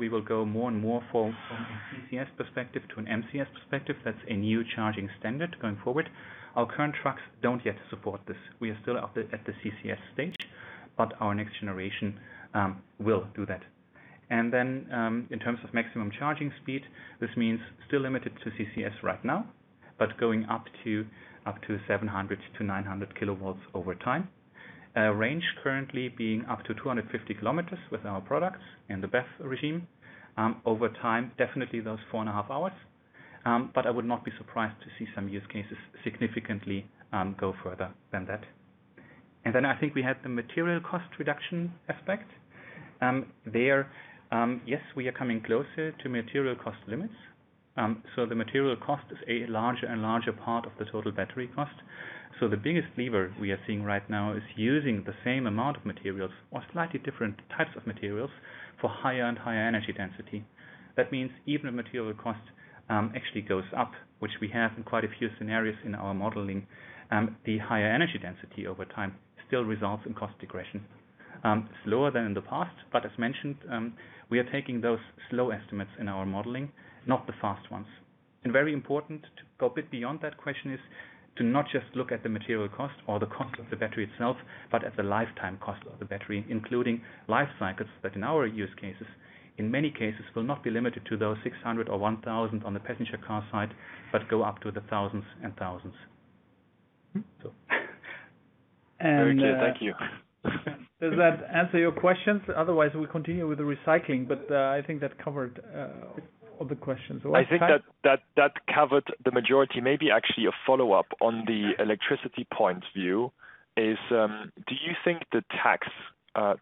We will go more and more from a CCS perspective to an MCS perspective. That's a new charging standard going forward. Our current trucks don't yet support this. We are still at the CCS stage, but our next generation will do that. In terms of maximum charging speed, this means still limited to CCS right now, but going up to 700-900 kW over time. Range currently being up to 250 km with our products in the BEV regime. Over time, definitely those four and a half hours. I would not be surprised to see some use cases significantly go further than that. I think we had the material cost reduction aspect. There, yes, we are coming closer to material cost limits. The material cost is a larger and larger part of the total battery cost. The biggest lever we are seeing right now is using the same amount of materials or slightly different types of materials for higher and higher energy density. That means even the material cost actually goes up, which we have in quite a few scenarios in our modeling. The higher energy density over time still results in cost regression. Slower than in the past. As mentioned, we are taking those slow estimates in our modeling, not the fast ones. Very important to go a bit beyond that question is to not just look at the material cost or the cost of the battery itself, but at the lifetime cost of the battery, including life cycles that in our use cases, in many cases, will not be limited to those 600 or 1,000 on the passenger car side, but go up to the thousands and thousands. Very clear. Thank you. Does that answer your questions? Otherwise, we continue with the recycling, but I think that covered all the questions. I think that covered the majority. Maybe actually a follow-up on the electricity point view is, do you think the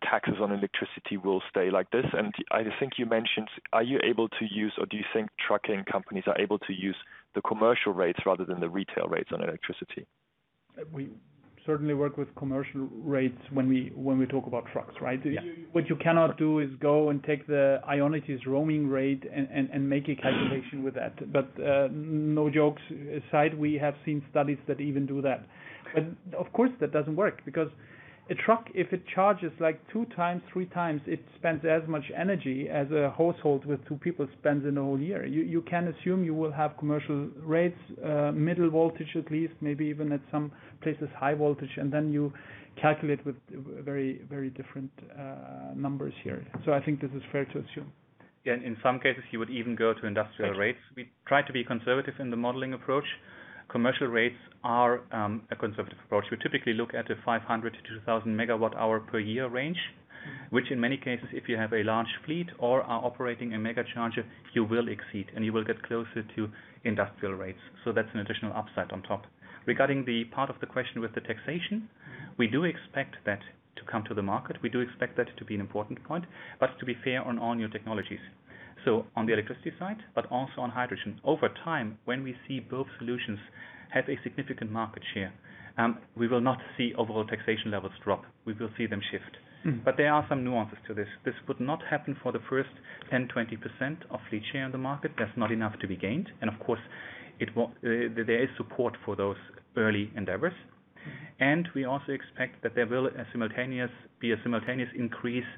taxes on electricity will stay like this? I think you mentioned, are you able to use, or do you think trucking companies are able to use the commercial rates rather than the retail rates on electricity? We certainly work with commercial rates when we talk about trucks, right? Yeah. What you cannot do is go and take the Ionity's roaming rate and make a calculation with that. No jokes aside, we have seen studies that even do that. Of course, that doesn't work because a truck, if it charges two times, three times, it spends as much energy as a household with two people spends in a whole year. You can assume you will have commercial rates, middle voltage at least, maybe even at some places, high voltage, and then you calculate with very different numbers here. I think this is fair to assume. Yeah. In some cases, you would even go to industrial rates. We try to be conservative in the modeling approach. Commercial rates are a conservative approach. We typically look at a 500 to 2,000 megawatt hour per year range, which in many cases, if you have a large fleet or are operating a mega charger, you will exceed, and you will get closer to industrial rates. That's an additional upside on top. Regarding the part of the question with the taxation, we do expect that to come to the market. We do expect that to be an important point, but to be fair on all new technologies. On the electricity side, but also on hydrogen. Over time, when we see both solutions have a significant market share, we will not see overall taxation levels drop. We will see them shift. There are some nuances to this. This would not happen for the first 10, 20% of fleet share in the market. That's not enough to be gained. Of course, there is support for those early endeavors. We also expect that there will be a simultaneous increase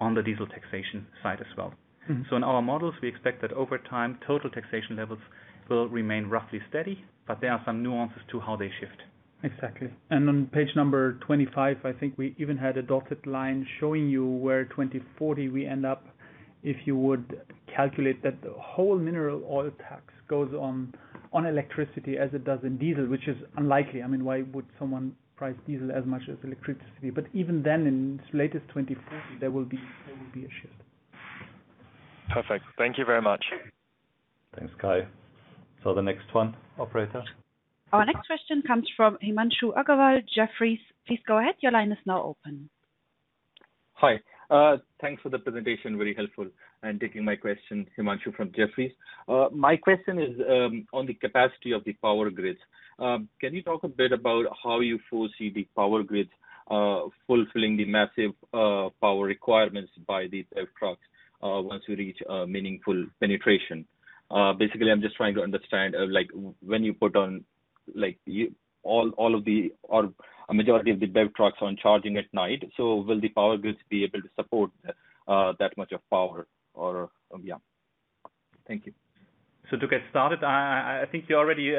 on the diesel taxation side as well. In our models, we expect that over time, total taxation levels will remain roughly steady, but there are some nuances to how they shift. Exactly. On page number 25, I think we even had a dotted line showing you where 2040 we end up if you would calculate that the whole mineral oil tax goes on electricity as it does in diesel, which is unlikely. Why would someone price diesel as much as electricity? Even then, in its latest 2040, there will be a shift. Perfect. Thank you very much. Thanks, Kai. The next one, operator. Our next question comes from Himanshu Agarwal, Jefferies. Please go ahead. Your line is now open. Hi. Thanks for the presentation. Very helpful. Taking my question, Himanshu from Jefferies. My question is on the capacity of the power grids. Can you talk a bit about how you foresee the power grids fulfilling the massive power requirements by these BEV trucks, once we reach meaningful penetration? Basically, I'm just trying to understand, when you put on a majority of the BEV trucks on charging at night. Will the power grids be able to support that much power? Yeah. Thank you. To get started, I think you already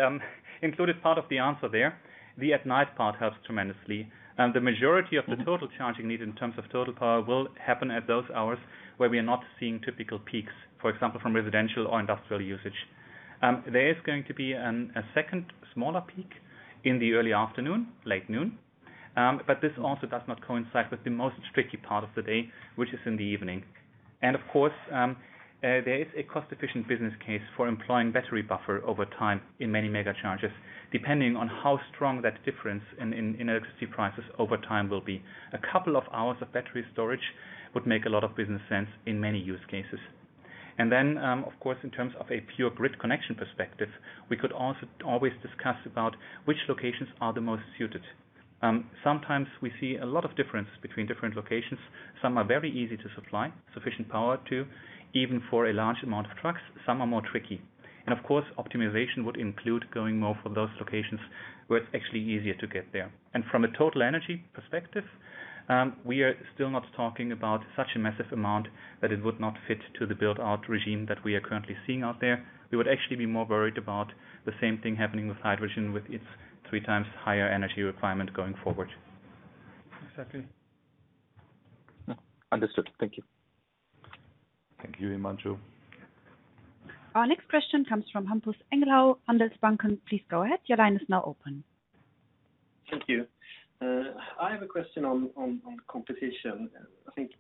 included part of the answer there. The at night part helps tremendously. The majority of the total charging need in terms of total power will happen at those hours where we are not seeing typical peaks, for example, from residential or industrial usage. There is going to be a second smaller peak in the early afternoon, late noon. This also does not coincide with the most tricky part of the day, which is in the evening. Of course, there is a cost-efficient business case for employing battery buffer over time in many mega charges, depending on how strong that difference in electricity prices over time will be. A couple of hours of battery storage would make a lot of business sense in many use cases. Of course, in terms of a pure grid connection perspective, we could always discuss about which locations are the most suited. Sometimes we see a lot of difference between different locations. Some are very easy to supply sufficient power to, even for a large amount of trucks. Some are trickier. Of course, optimization would include going more for those locations where it's actually easier to get there. From a total energy perspective, we are still not talking about such a massive amount that it would not fit to the build-out regime that we are currently seeing out there. We would actually be more worried about the same thing happening with hydrogen, with its three times higher energy requirement going forward. Exactly. Understood. Thank you. Thank you, Himanshu. Our next question comes from Hampus Engellau, Handelsbanken. Please go ahead. Your line is now open. Thank you. I have a question on competition. I think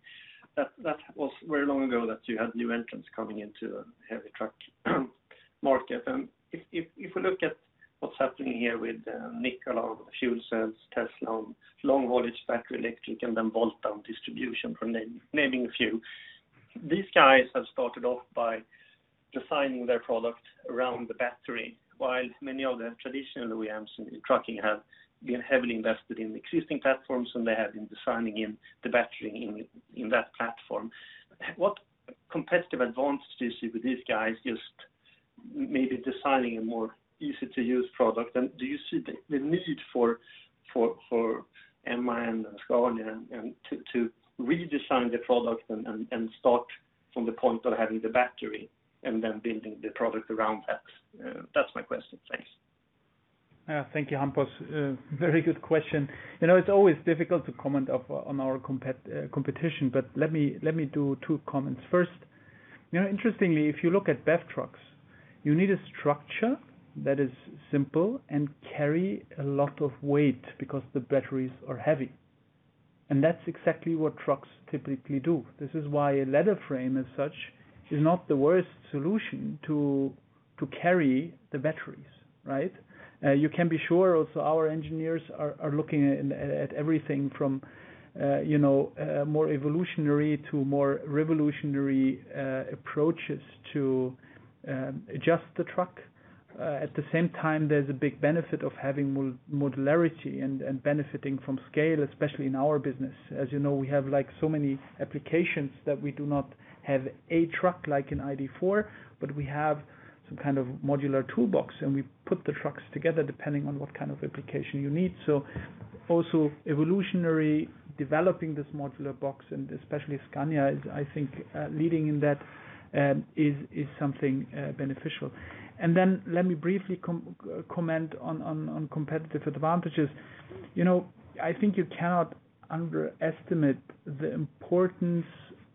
that was very long ago that you had new entrants coming into the heavy truck market. If we look at what's happening here with Nikola, Fuel Cells, Tesla, long-haul, battery, electric, and then Volta on distribution, naming a few. These guys have started off by designing their product around the battery, while many of the traditional OEMs in trucking have been heavily invested in existing platforms, and they have been designing in the battery in that platform. What competitive advantage do you see with these guys just maybe designing a more easy-to-use product? Do you see the need for MAN and Scania to redesign the product and start from the point of having the battery and then building the product around that? That's my question. Thanks. Thank you, Hampus. Very good question. It is always difficult to comment on our competition, but let me do two comments. First. Interestingly, if you look at BEV trucks, you need a structure that is simple and carry a lot of weight because the batteries are heavy. That is exactly what trucks typically do. This is why a ladder frame as such is not the worst solution to carry the batteries. You can be sure also our engineers are looking at everything from more evolutionary to more revolutionary approaches to adjust the truck. At the same time, there is a big benefit of having modularity and benefiting from scale, especially in our business. As you know, we have so many applications that we do not have a truck like an ID.4, but we have some kind of modular toolbox, and we put the trucks together depending on what kind of application you need. Also evolutionary developing this modular box, and especially Scania is, I think, leading in that, is something beneficial. Let me briefly comment on competitive advantages. I think you cannot underestimate the importance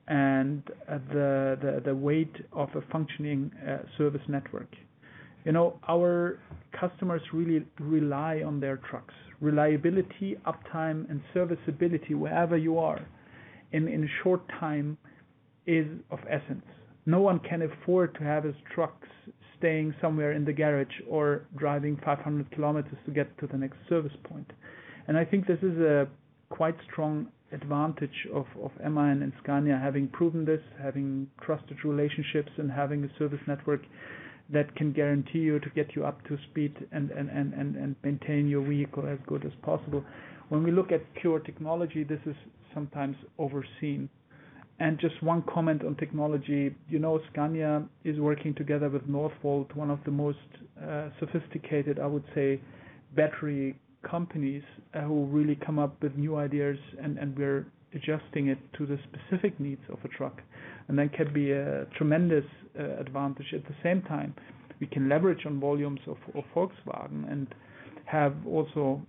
and the weight of a functioning service network. Our customers really rely on their trucks. Reliability, uptime, and serviceability wherever you are in a short time is of essence. No one can afford to have his trucks staying somewhere in the garage or driving 500 km to get to the next service point. I think this is a quite strong advantage of MAN and Scania having proven this, having trusted relationships and having a service network that can guarantee you to get you up to speed and maintain your vehicle as good as possible. When we look at pure technology, this is sometimes overseen. Just one comment on technology. Scania is working together with Northvolt, one of the most sophisticated, I would say, battery companies who really come up with new ideas. We're adjusting it to the specific needs of a truck. That can be a tremendous advantage. At the same time, we can leverage on volumes of Volkswagen and have also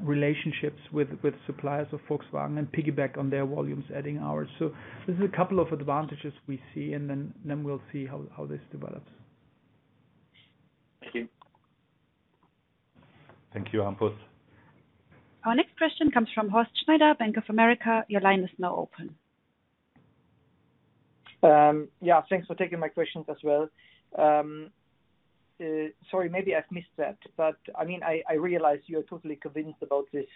relationships with suppliers of Volkswagen and piggyback on their volumes, adding ours. This is a couple of advantages we see, and then we'll see how this develops. Thank you. Thank you, Hampus. Our next question comes from Horst Schneider, Bank of America. Your line is now open. Yeah. Thanks for taking my questions as well. Sorry, maybe I've missed that, I realize you're totally convinced about this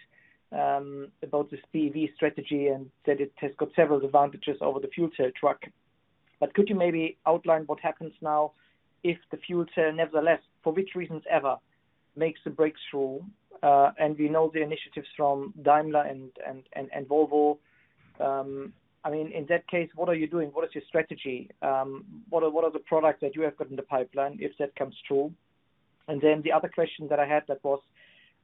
BEV strategy and that it has got several advantages over the fuel cell truck. Could you maybe outline what happens now if the fuel cell, nevertheless, for which reasons ever, makes a breakthrough? We know the initiatives from Daimler and Volvo. In that case, what are you doing? What is your strategy? What are the products that you have got in the pipeline if that comes true? The other question that I had that was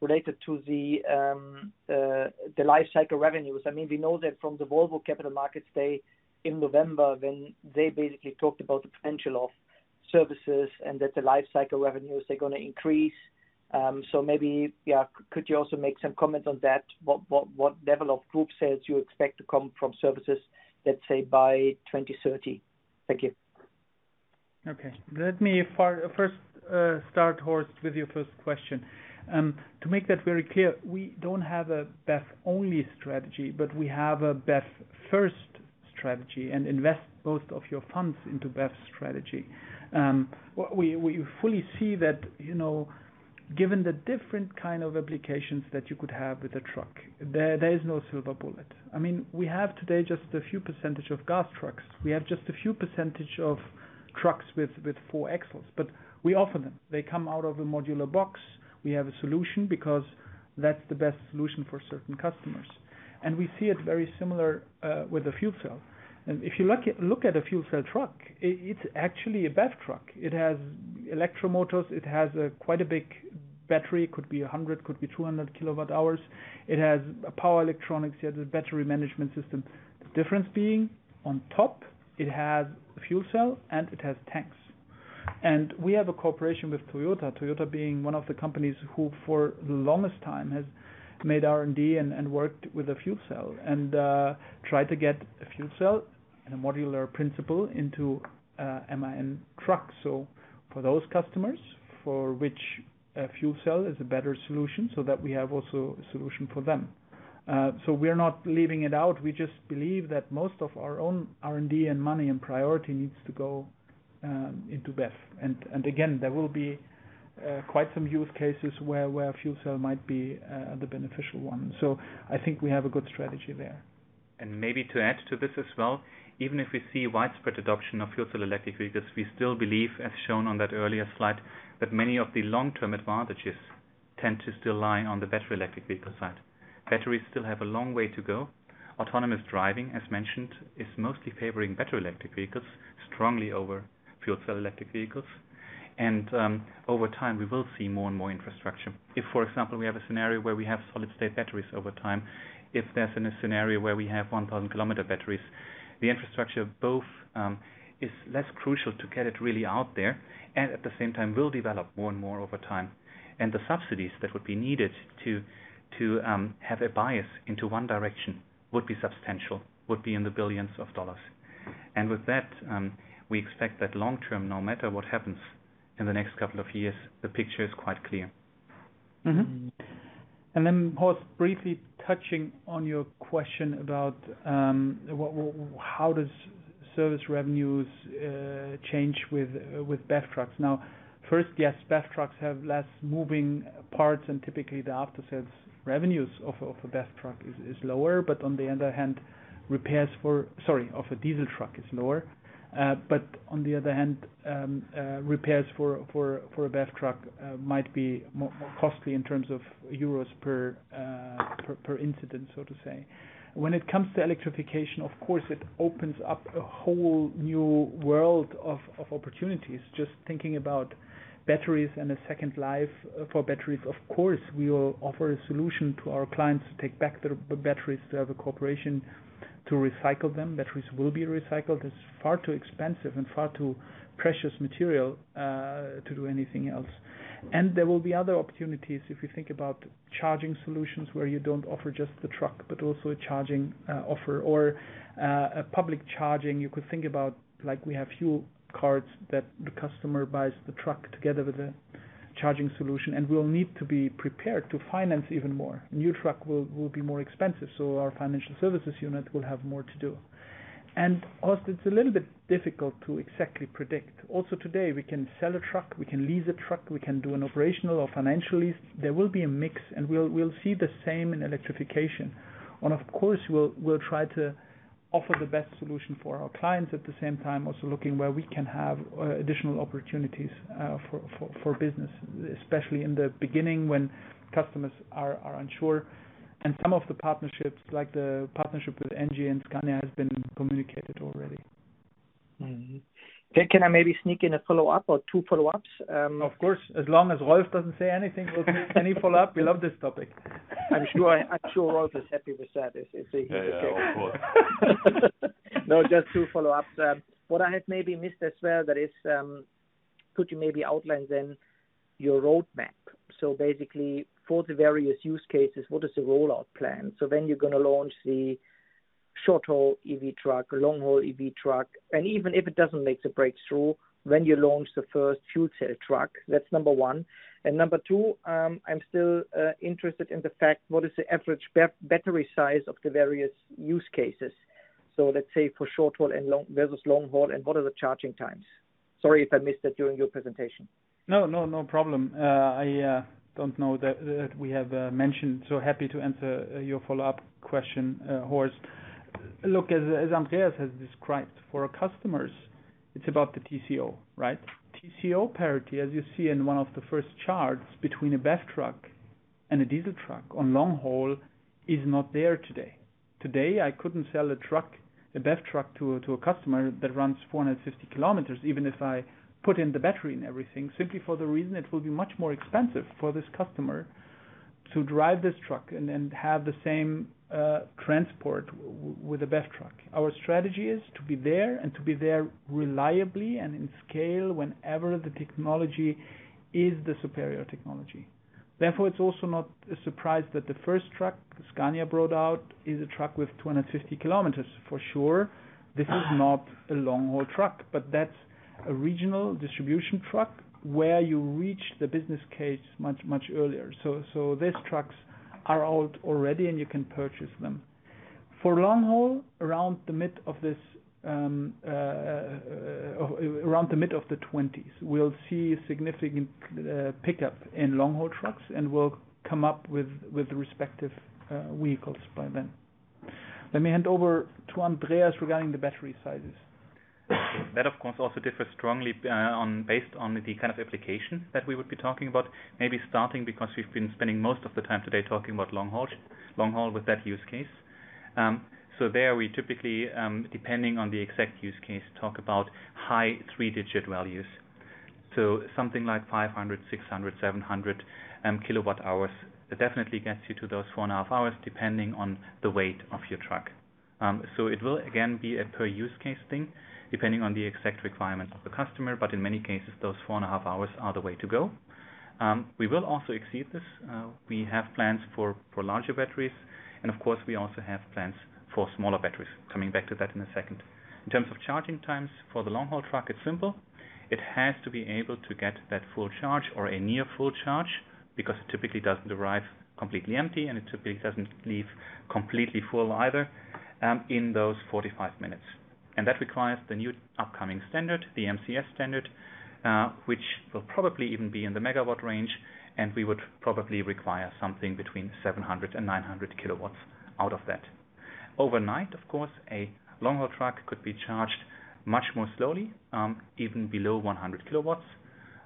related to the life cycle revenues. We know that from the Volvo Capital Markets day in November, when they basically talked about the potential of services and that the life cycle revenues are going to increase. Maybe, yeah, could you also make some comment on that? What level of group sales you expect to come from services, let's say by 2030? Thank you. Okay. Let me first start, Horst, with your first question. To make that very clear, we don't have a BEV-only strategy, but we have a BEV-first strategy and invest most of your funds into BEV strategy. We fully see that, given the different kind of applications that you could have with a truck, there is no silver bullet. We have today just a few percentage of gas trucks. We have just a few percentage of trucks with four axles, but we offer them. They come out of a modular box. We have a solution because that's the best solution for certain customers. We see it very similar with the Fuel Cell. If you look at a Fuel Cell truck, it's actually a BEV truck. It has electromotors. It has quite a big battery, could be 100, could be 200 kilowatt hours. It has power electronics. It has a battery management system. The difference being, on top, it has a fuel cell and it has tanks. We have a cooperation with Toyota being one of the companies who, for the longest time, has made R&D and worked with a fuel cell and tried to get a fuel cell and a modular principle into a MAN truck. For those customers for which a fuel cell is a better solution, so that we have also a solution for them. We're not leaving it out. We just believe that most of our own R&D and money and priority needs to go into BEV. Again, there will be quite some use cases where fuel cell might be the beneficial one. I think we have a good strategy there. Maybe to add to this as well, even if we see widespread adoption of fuel cell electric vehicles, we still believe, as shown on that earlier slide, that many of the long-term advantages tend to still lie on the battery electric vehicle side. Batteries still have a long way to go. Autonomous driving, as mentioned, is mostly favoring battery electric vehicles strongly over fuel cell electric vehicles. Over time, we will see more and more infrastructure. If, for example, we have a scenario where we have solid-state batteries over time, if there's a scenario where we have 1,000 km batteries, the infrastructure both is less crucial to get it really out there, and at the same time, will develop more and more over time. The subsidies that would be needed to have a bias into one direction would be substantial, would be in the billions of EUR. With that, we expect that long term, no matter what happens in the next couple of years, the picture is quite clear. Then, Horst, briefly touching on your question about how does service revenues change with BEV trucks. Now, first, yes, BEV trucks have less moving parts and typically, the after-sales revenues of a BEV truck is lower. On the other hand, Sorry, of a diesel truck is lower. On the other hand, repairs for a BEV truck might be more costly in terms of EUR per incident, so to say. When it comes to electrification, of course, it opens up a whole new world of opportunities, just thinking about batteries and a second life for batteries. We will offer a solution to our clients to take back the batteries, to have a cooperation to recycle them. Batteries will be recycled. It's far too expensive and far too precious material to do anything else. There will be other opportunities, if you think about charging solutions where you don't offer just the truck, but also a charging offer or a public charging. You could think about, we have fuel cards that the customer buys the truck together with a charging solution, and we'll need to be prepared to finance even more. New truck will be more expensive, so our financial services unit will have more to do. Horst, it's a little bit difficult to exactly predict. Also, today, we can sell a truck, we can lease a truck, we can do an operational or financial lease. There will be a mix, and we'll see the same in electrification. Of course, we'll try to offer the best solution for our clients, at the same time, also looking where we can have additional opportunities for business, especially in the beginning when customers are unsure. Some of the partnerships, like the partnership with ENGIE and Scania, has been communicated already. Can I maybe sneak in a follow-up or two follow-ups? Of course, as long as Rolf doesn't say anything, you can do any follow-up. We love this topic. I'm sure Rolf is happy with that, if he can. Yeah, of course. No, just two follow-ups. What I had maybe missed as well, could you maybe outline then your roadmap? Basically, for the various use cases, what is the rollout plan? When you're going to launch the short-haul EV truck, long-haul EV truck, and even if it doesn't make the breakthrough, when you launch the first fuel cell truck. That's number one. Number two, I'm still interested in the fact, what is the average BEV battery size of the various use cases? Let's say for short-haul versus long-haul, and what are the charging times? Sorry if I missed that during your presentation. No problem. I don't know that we have mentioned, so happy to answer your follow-up question, Horst. Look, as Andreas has described, for our customers, it's about the TCO, right? TCO parity, as you see in one of the first charts between a BEV truck and a diesel truck on long-haul, is not there today. Today, I couldn't sell a BEV truck to a customer that runs 450 km, even if I put in the battery and everything, simply for the reason it will be much more expensive for this customer to drive this truck and have the same transport with a BEV truck. Our strategy is to be there and to be there reliably and in scale whenever the technology is the superior technology. Therefore, it's also not a surprise that the first truck Scania brought out is a truck with 250 km. For sure, this is not a long-haul truck, but that's a regional distribution truck where you reach the business case much earlier. These trucks are out already, and you can purchase them. For long-haul, around the mid of the 20s, we'll see significant pickup in long-haul trucks, and we'll come up with the respective vehicles by then. Let me hand over to Andreas regarding the battery sizes. That, of course, also differs strongly based on the kind of application that we would be talking about, maybe starting because we've been spending most of the time today talking about long-haul with that use case. There, we typically, depending on the exact use case, talk about high three-digit values. Something like 500, 600, 700 kWh, that definitely gets you to those four and a half hours, depending on the weight of your truck. It will, again, be a per-use-case thing, depending on the exact requirement of the customer. In many cases, those four and a half hours are the way to go. We will also exceed this. We have plans for larger batteries, and of course, we also have plans for smaller batteries, coming back to that in a second. In terms of charging times for the long-haul truck, it's simple. It has to be able to get that full charge or a near full charge, because it typically doesn't arrive completely empty and it typically doesn't leave completely full either, in those 45 minutes. That requires the new upcoming standard, the MCS standard, which will probably even be in the megawatt range, and we would probably require something between 700 and 900 kW out of that. Overnight, of course, a long-haul truck could be charged much more slowly, even below 100 kW,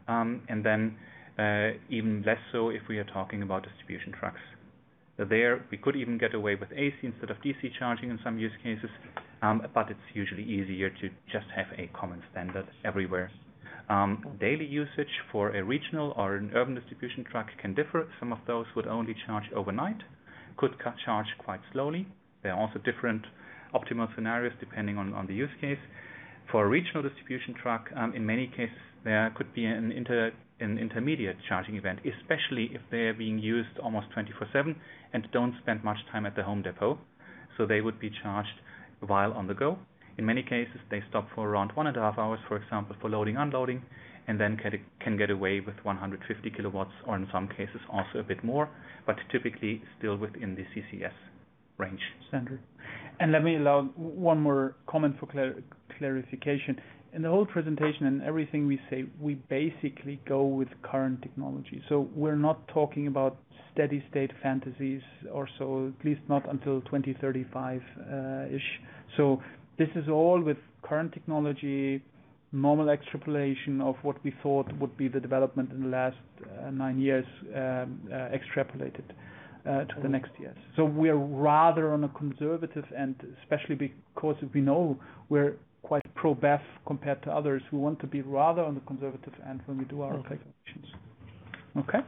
and then even less so if we are talking about distribution trucks. There, we could even get away with AC instead of DC charging in some use cases, but it's usually easier to just have a common standard everywhere. Daily usage for a regional or an urban distribution truck can differ. Some of those would only charge overnight, could charge quite slowly. There are also different optimal scenarios depending on the use case. For a regional distribution truck, in many cases, there could be an intermediate charging event, especially if they're being used almost 24/7 and don't spend much time at the home depot. They would be charged while on the go. In many cases, they stop for around one and a half hours, for example, for loading, unloading, and then can get away with 150 kW or in some cases also a bit more, but typically still within the CCS range. Standard. Let me allow one more comment for clarification. In the whole presentation and everything we say, we basically go with current technology. We're not talking about steady state fantasies or so, at least not until 2035-ish. This is all with current technology, normal extrapolation of what we thought would be the development in the last nine years, extrapolated to the next years. We're rather on a conservative end, especially because we know we're quite pro-BEV compared to others, we want to be rather on the conservative end when we do our calculations. Okay.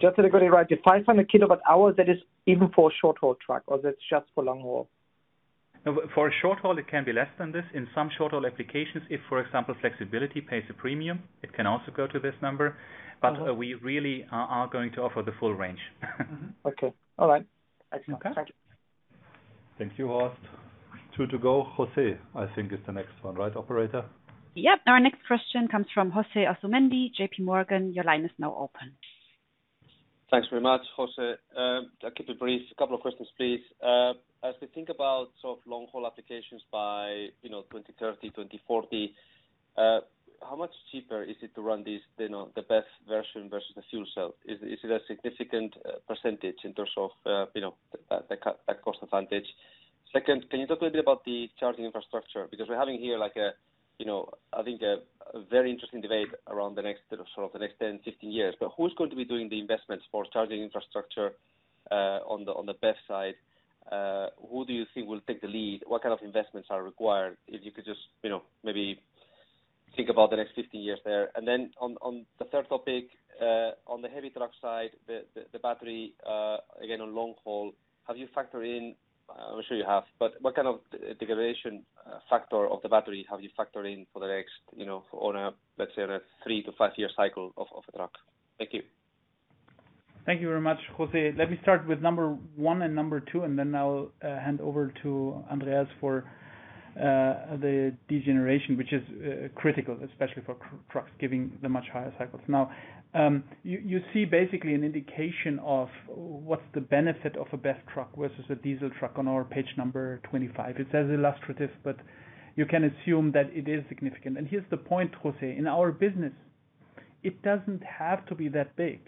Just to get it right, the 500 kWh, that is even for a short-haul truck, or that's just for long-haul? For a short haul, it can be less than this. In some short-haul applications, if, for example, flexibility pays a premium, it can also go to this number. We really are going to offer the full range. Okay. All right. Excellent. Thank you. Okay. Thank you, Horst. Two to go. Jose, I think is the next one, right, operator? Yep. Our next question comes from Jose Asumendi, JPMorgan. Your line is now open. Thanks very much, Jose. I will keep it brief. A couple of questions, please. As we think about long-haul applications by 2030, 2040, how much cheaper is it to run the BEV version versus the fuel cell? Is it a significant percentage in terms of that cost advantage? Second, can you talk a little bit about the charging infrastructure? Because we are having here I think a very interesting debate around the next sort of the next 10, 15 years. But who is going to be doing the investments for charging infrastructure, on the BEV side? Who do you think will take the lead? What kind of investments are required? If you could just maybe think about the next 15 years there. On the third topic, on the heavy truck side, the battery, again, on long haul, have you factored in, I'm sure you have, but what kind of degradation factor of the battery have you factored in for the next, on a, let's say, on a three to five year cycle of a truck? Thank you. Thank you very much, Jose. Let me start with number one and number two, then I'll hand over to Andreas for the degeneration, which is critical, especially for trucks, given the much higher cycles. You see basically an indication of what's the benefit of a BEV truck versus a diesel truck on our page number 25. It says illustrative, but you can assume that it is significant. Here's the point, Jose. In our business, it doesn't have to be that big.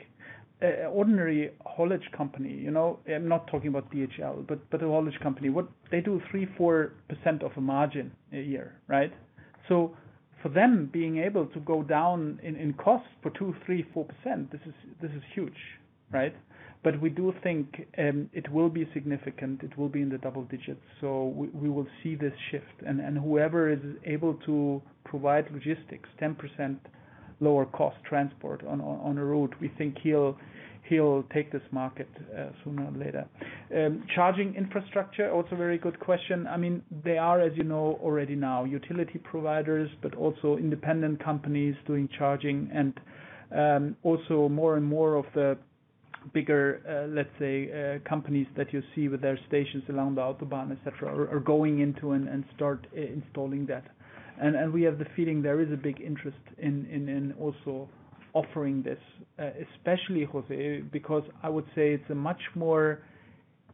An ordinary haulage company, I'm not talking about DHL, but a haulage company, they do 3%, 4% of a margin a year, right? For them, being able to go down in cost for 2%, 3%, 4%, this is huge, right? We do think it will be significant. It will be in the double digits. We will see this shift, and whoever is able to provide logistics, 10% lower cost transport on a route, we think he'll take this market sooner or later. Charging infrastructure, also a very good question. There are, as you know, already now, utility providers, but also independent companies doing charging, and also more and more of the bigger, let's say, companies that you see with their stations along the Autobahn, et cetera, are going into and start installing that. We have the feeling there is a big interest in also offering this, especially, Jose, because I would say it's a much more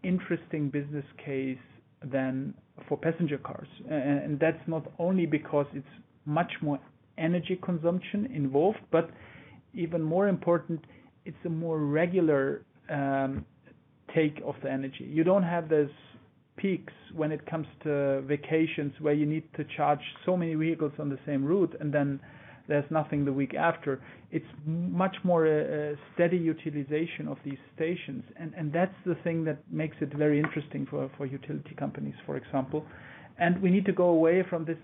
interesting business case than for passenger cars. That's not only because it's much more energy consumption involved, but even more important, it's a more regular take of the energy. You don't have those peaks when it comes to vacations where you need to charge so many vehicles on the same route, and then there's nothing the week after. It's much more a steady utilization of these stations, and that's the thing that makes it very interesting for utility companies, for example. We need to go away from this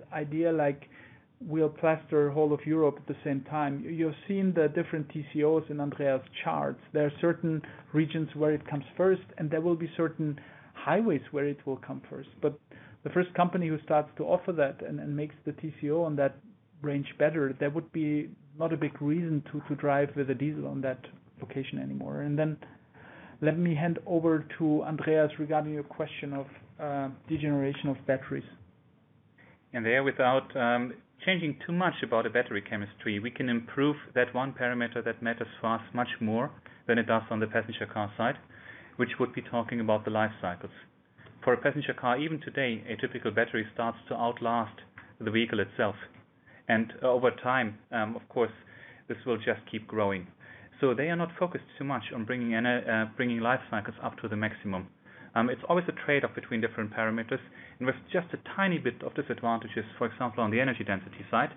idea, like we'll plaster whole of Europe at the same time. You're seeing the different TCOs in Andreas' charts. There are certain regions where it comes first, and there will be certain highways where it will come first. The first company who starts to offer that and makes the TCO on that range better, there would be not a big reason to drive with a diesel on that location anymore. Then let me hand over to Andreas regarding your question of degeneration of batteries. There, without changing too much about the battery chemistry, we can improve that one parameter that matters for us much more than it does on the passenger car side, which would be talking about the life cycles. For a passenger car, even today, a typical battery starts to outlast the vehicle itself. Over time, of course, this will just keep growing. They are not focused too much on bringing life cycles up to the maximum. It's always a trade-off between different parameters, and with just a tiny bit of disadvantages, for example, on the energy density side,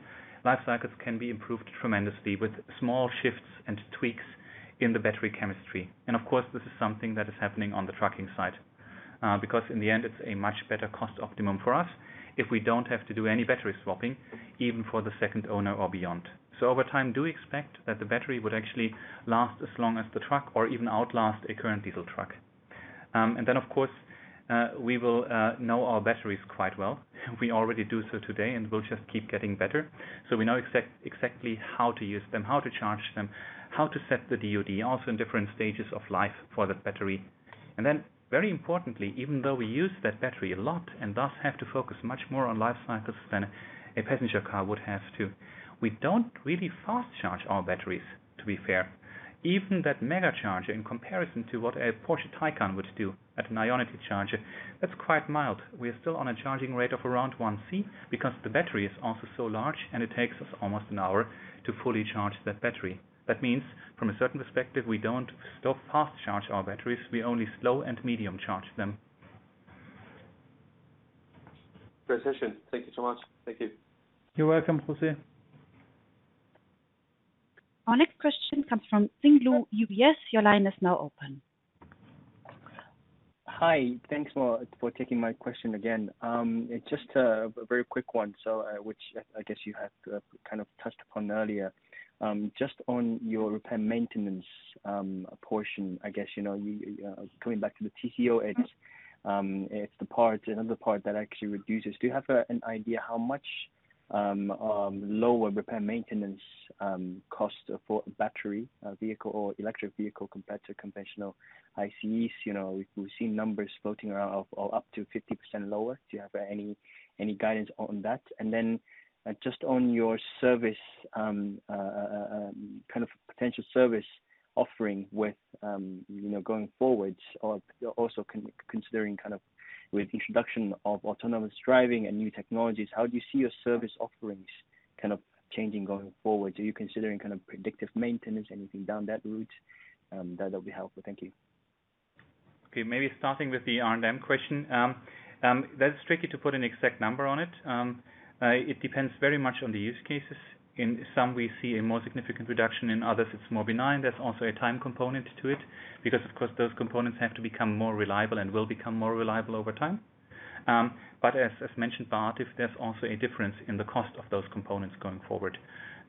life cycles can be improved tremendously with small shifts and tweaks in the battery chemistry. Of course, this is something that is happening on the trucking side. In the end, it's a much better cost optimum for us if we don't have to do any battery swapping, even for the second owner or beyond. Over time, do expect that the battery would actually last as long as the truck or even outlast a current diesel truck. Of course, we will know our batteries quite well. We already do so today, and we'll just keep getting better. We know exactly how to use them, how to charge them, how to set the DOD, also in different stages of life for the battery. Very importantly, even though we use that battery a lot and thus have to focus much more on life cycles than a passenger car would have to, we don't really fast charge our batteries, to be fair. Even that mega charger, in comparison to what a Porsche Taycan would do at an Ionity charger, that's quite mild. We are still on a charging rate of around 1C because the battery is also so large and it takes us almost one hour to fully charge that battery. That means, from a certain perspective, we don't still fast charge our batteries. We only slow and medium charge them. Great session. Thank you so much. Thank you. You're welcome, Jose. Our next question comes from Xin Lu, UBS. Your line is now open. Hi. Thanks a lot for taking my question again. It's just a very quick one, which I guess you had kind of touched upon earlier. Just on your repair and maintenance portion, I guess, coming back to the TCO edge, it's another part that actually reduces. Do you have an idea how much lower repair and maintenance cost for battery vehicle or electric vehicle compared to conventional ICE? We've seen numbers floating around of up to 50% lower. Do you have any guidance on that? Just on your kind of potential service offering going forward, or also considering with introduction of autonomous driving and new technologies, how do you see your service offerings kind of changing going forward? Are you considering predictive maintenance, anything down that route? That'll be helpful. Thank you. Maybe starting with the R&M question. That's tricky to put an exact number on it. It depends very much on the use cases. In some, we see a more significant reduction. In others, it's more benign. There's also a time component to it because, of course, those components have to become more reliable and will become more reliable over time. As mentioned, [inaudible] if there's also a difference in the cost of those components going forward.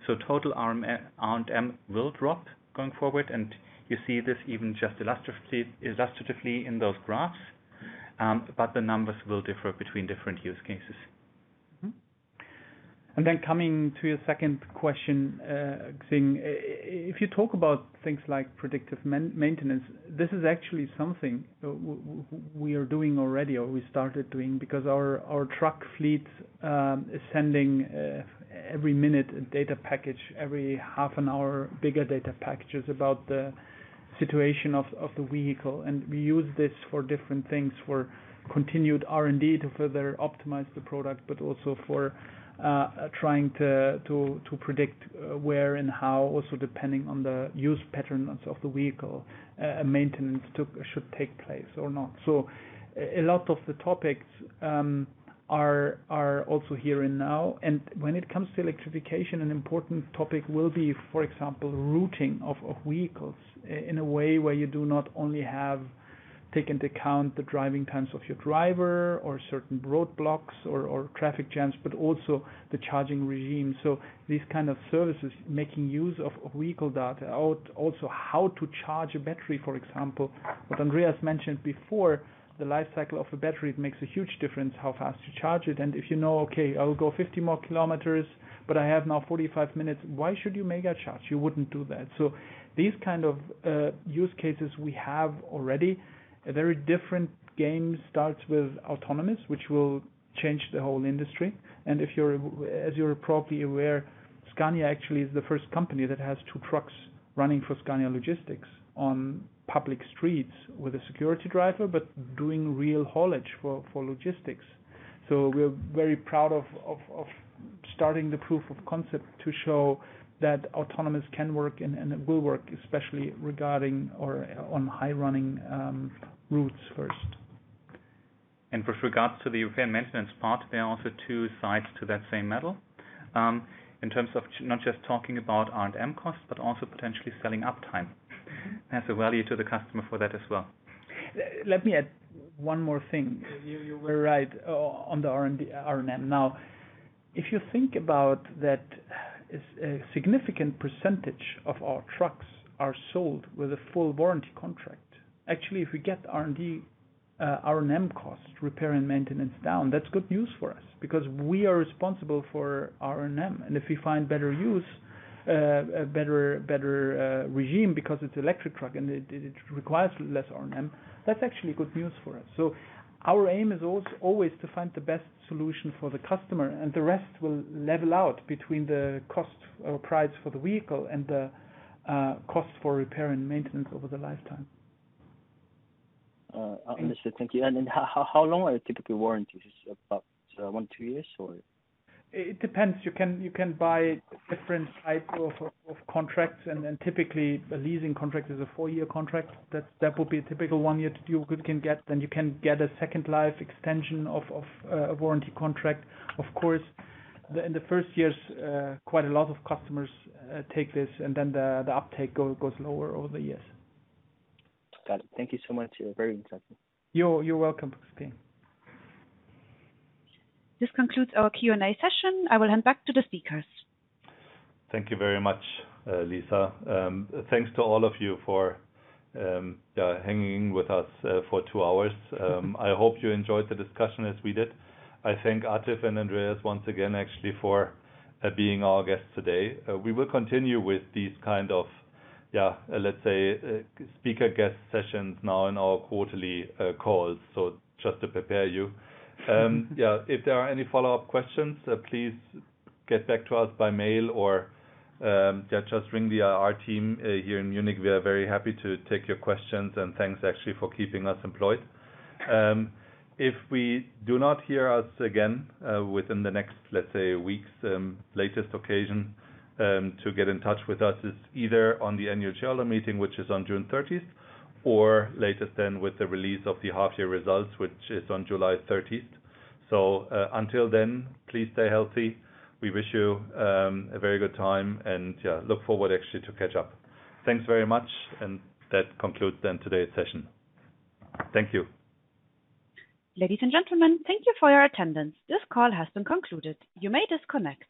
Total R&M will drop going forward, and you see this even just illustratively in those graphs. The numbers will differ between different use cases. Coming to your second question, Xin, if you talk about things like predictive maintenance, this is actually something we are doing already or we started doing because our truck fleet is sending every minute a data package, every half an hour, bigger data packages about the situation of the vehicle. We use this for different things, for continued R&D to further optimize the product, but also for trying to predict where and how, also depending on the use patterns of the vehicle, maintenance should take place or not. A lot of the topics are also here and now. When it comes to electrification, an important topic will be, for example, routing of vehicles in a way where you do not only have take into account the driving times of your driver or certain roadblocks or traffic jams, but also the charging regime. These kind of services making use of vehicle data. Also, how to charge a battery, for example. What Andreas mentioned before, the life cycle of a battery, it makes a huge difference how fast you charge it. If you know, okay, I will go 50 more km, but I have now 45 minutes, why should you mega charge? You wouldn't do that. These kind of use cases we have already. A very different game starts with autonomous, which will change the whole industry. As you're probably aware, Scania actually is the first company that has two trucks running for Scania Logistics on public streets with a security driver, but doing real haulage for logistics. We are very proud of starting the proof of concept to show that autonomous can work and it will work, especially regarding or on high running routes first. With regards to the repair and maintenance part, there are also two sides to that same metal, in terms of not just talking about R&M costs, but also potentially selling uptime as a value to the customer for that as well. Let me add one more thing. You were right on the R&M. If you think about that a significant percentage of our trucks are sold with a full warranty contract. Actually, if we get R&M cost, repair and maintenance down, that's good news for us because we are responsible for R&M. If we find better use, a better regime because it's electric truck and it requires less R&M, that's actually good news for us. Our aim is always to find the best solution for the customer, and the rest will level out between the cost or price for the vehicle and the cost for repair and maintenance over the lifetime. Understood. Thank you. How long are typically warranties? About one, two years, or? It depends. You can buy different types of contracts and typically a leasing contract is a four-year contract. That would be a typical one you could get. You can get a second life extension of a warranty contract. In the first years, quite a lot of customers take this, and then the uptake goes lower over the years. Got it. Thank you so much. You are very insightful. You're welcome, Xin. This concludes our Q&A session. I will hand back to the speakers. Thank you very much, Lisa. Thanks to all of you for hanging with us for two hours. I hope you enjoyed the discussion as we did. I thank Atif and Andreas once again, actually, for being our guests today. We will continue with these kind of, let's say, speaker guest sessions now in our quarterly calls. Just to prepare you. If there are any follow-up questions, please get back to us by mail or just ring the IR team here in Munich. We are very happy to take your questions. Thanks, actually, for keeping us employed. If we do not hear us again within the next, let's say, weeks, latest occasion to get in touch with us is either on the annual general meeting, which is on June 30th, or latest then with the release of the half-year results, which is on July 30th. Until then, please stay healthy. We wish you a very good time and look forward, actually, to catch up. Thanks very much, that concludes today's session. Thank you. Ladies and gentlemen, thank you for your attendance. This call has been concluded. You may disconnect.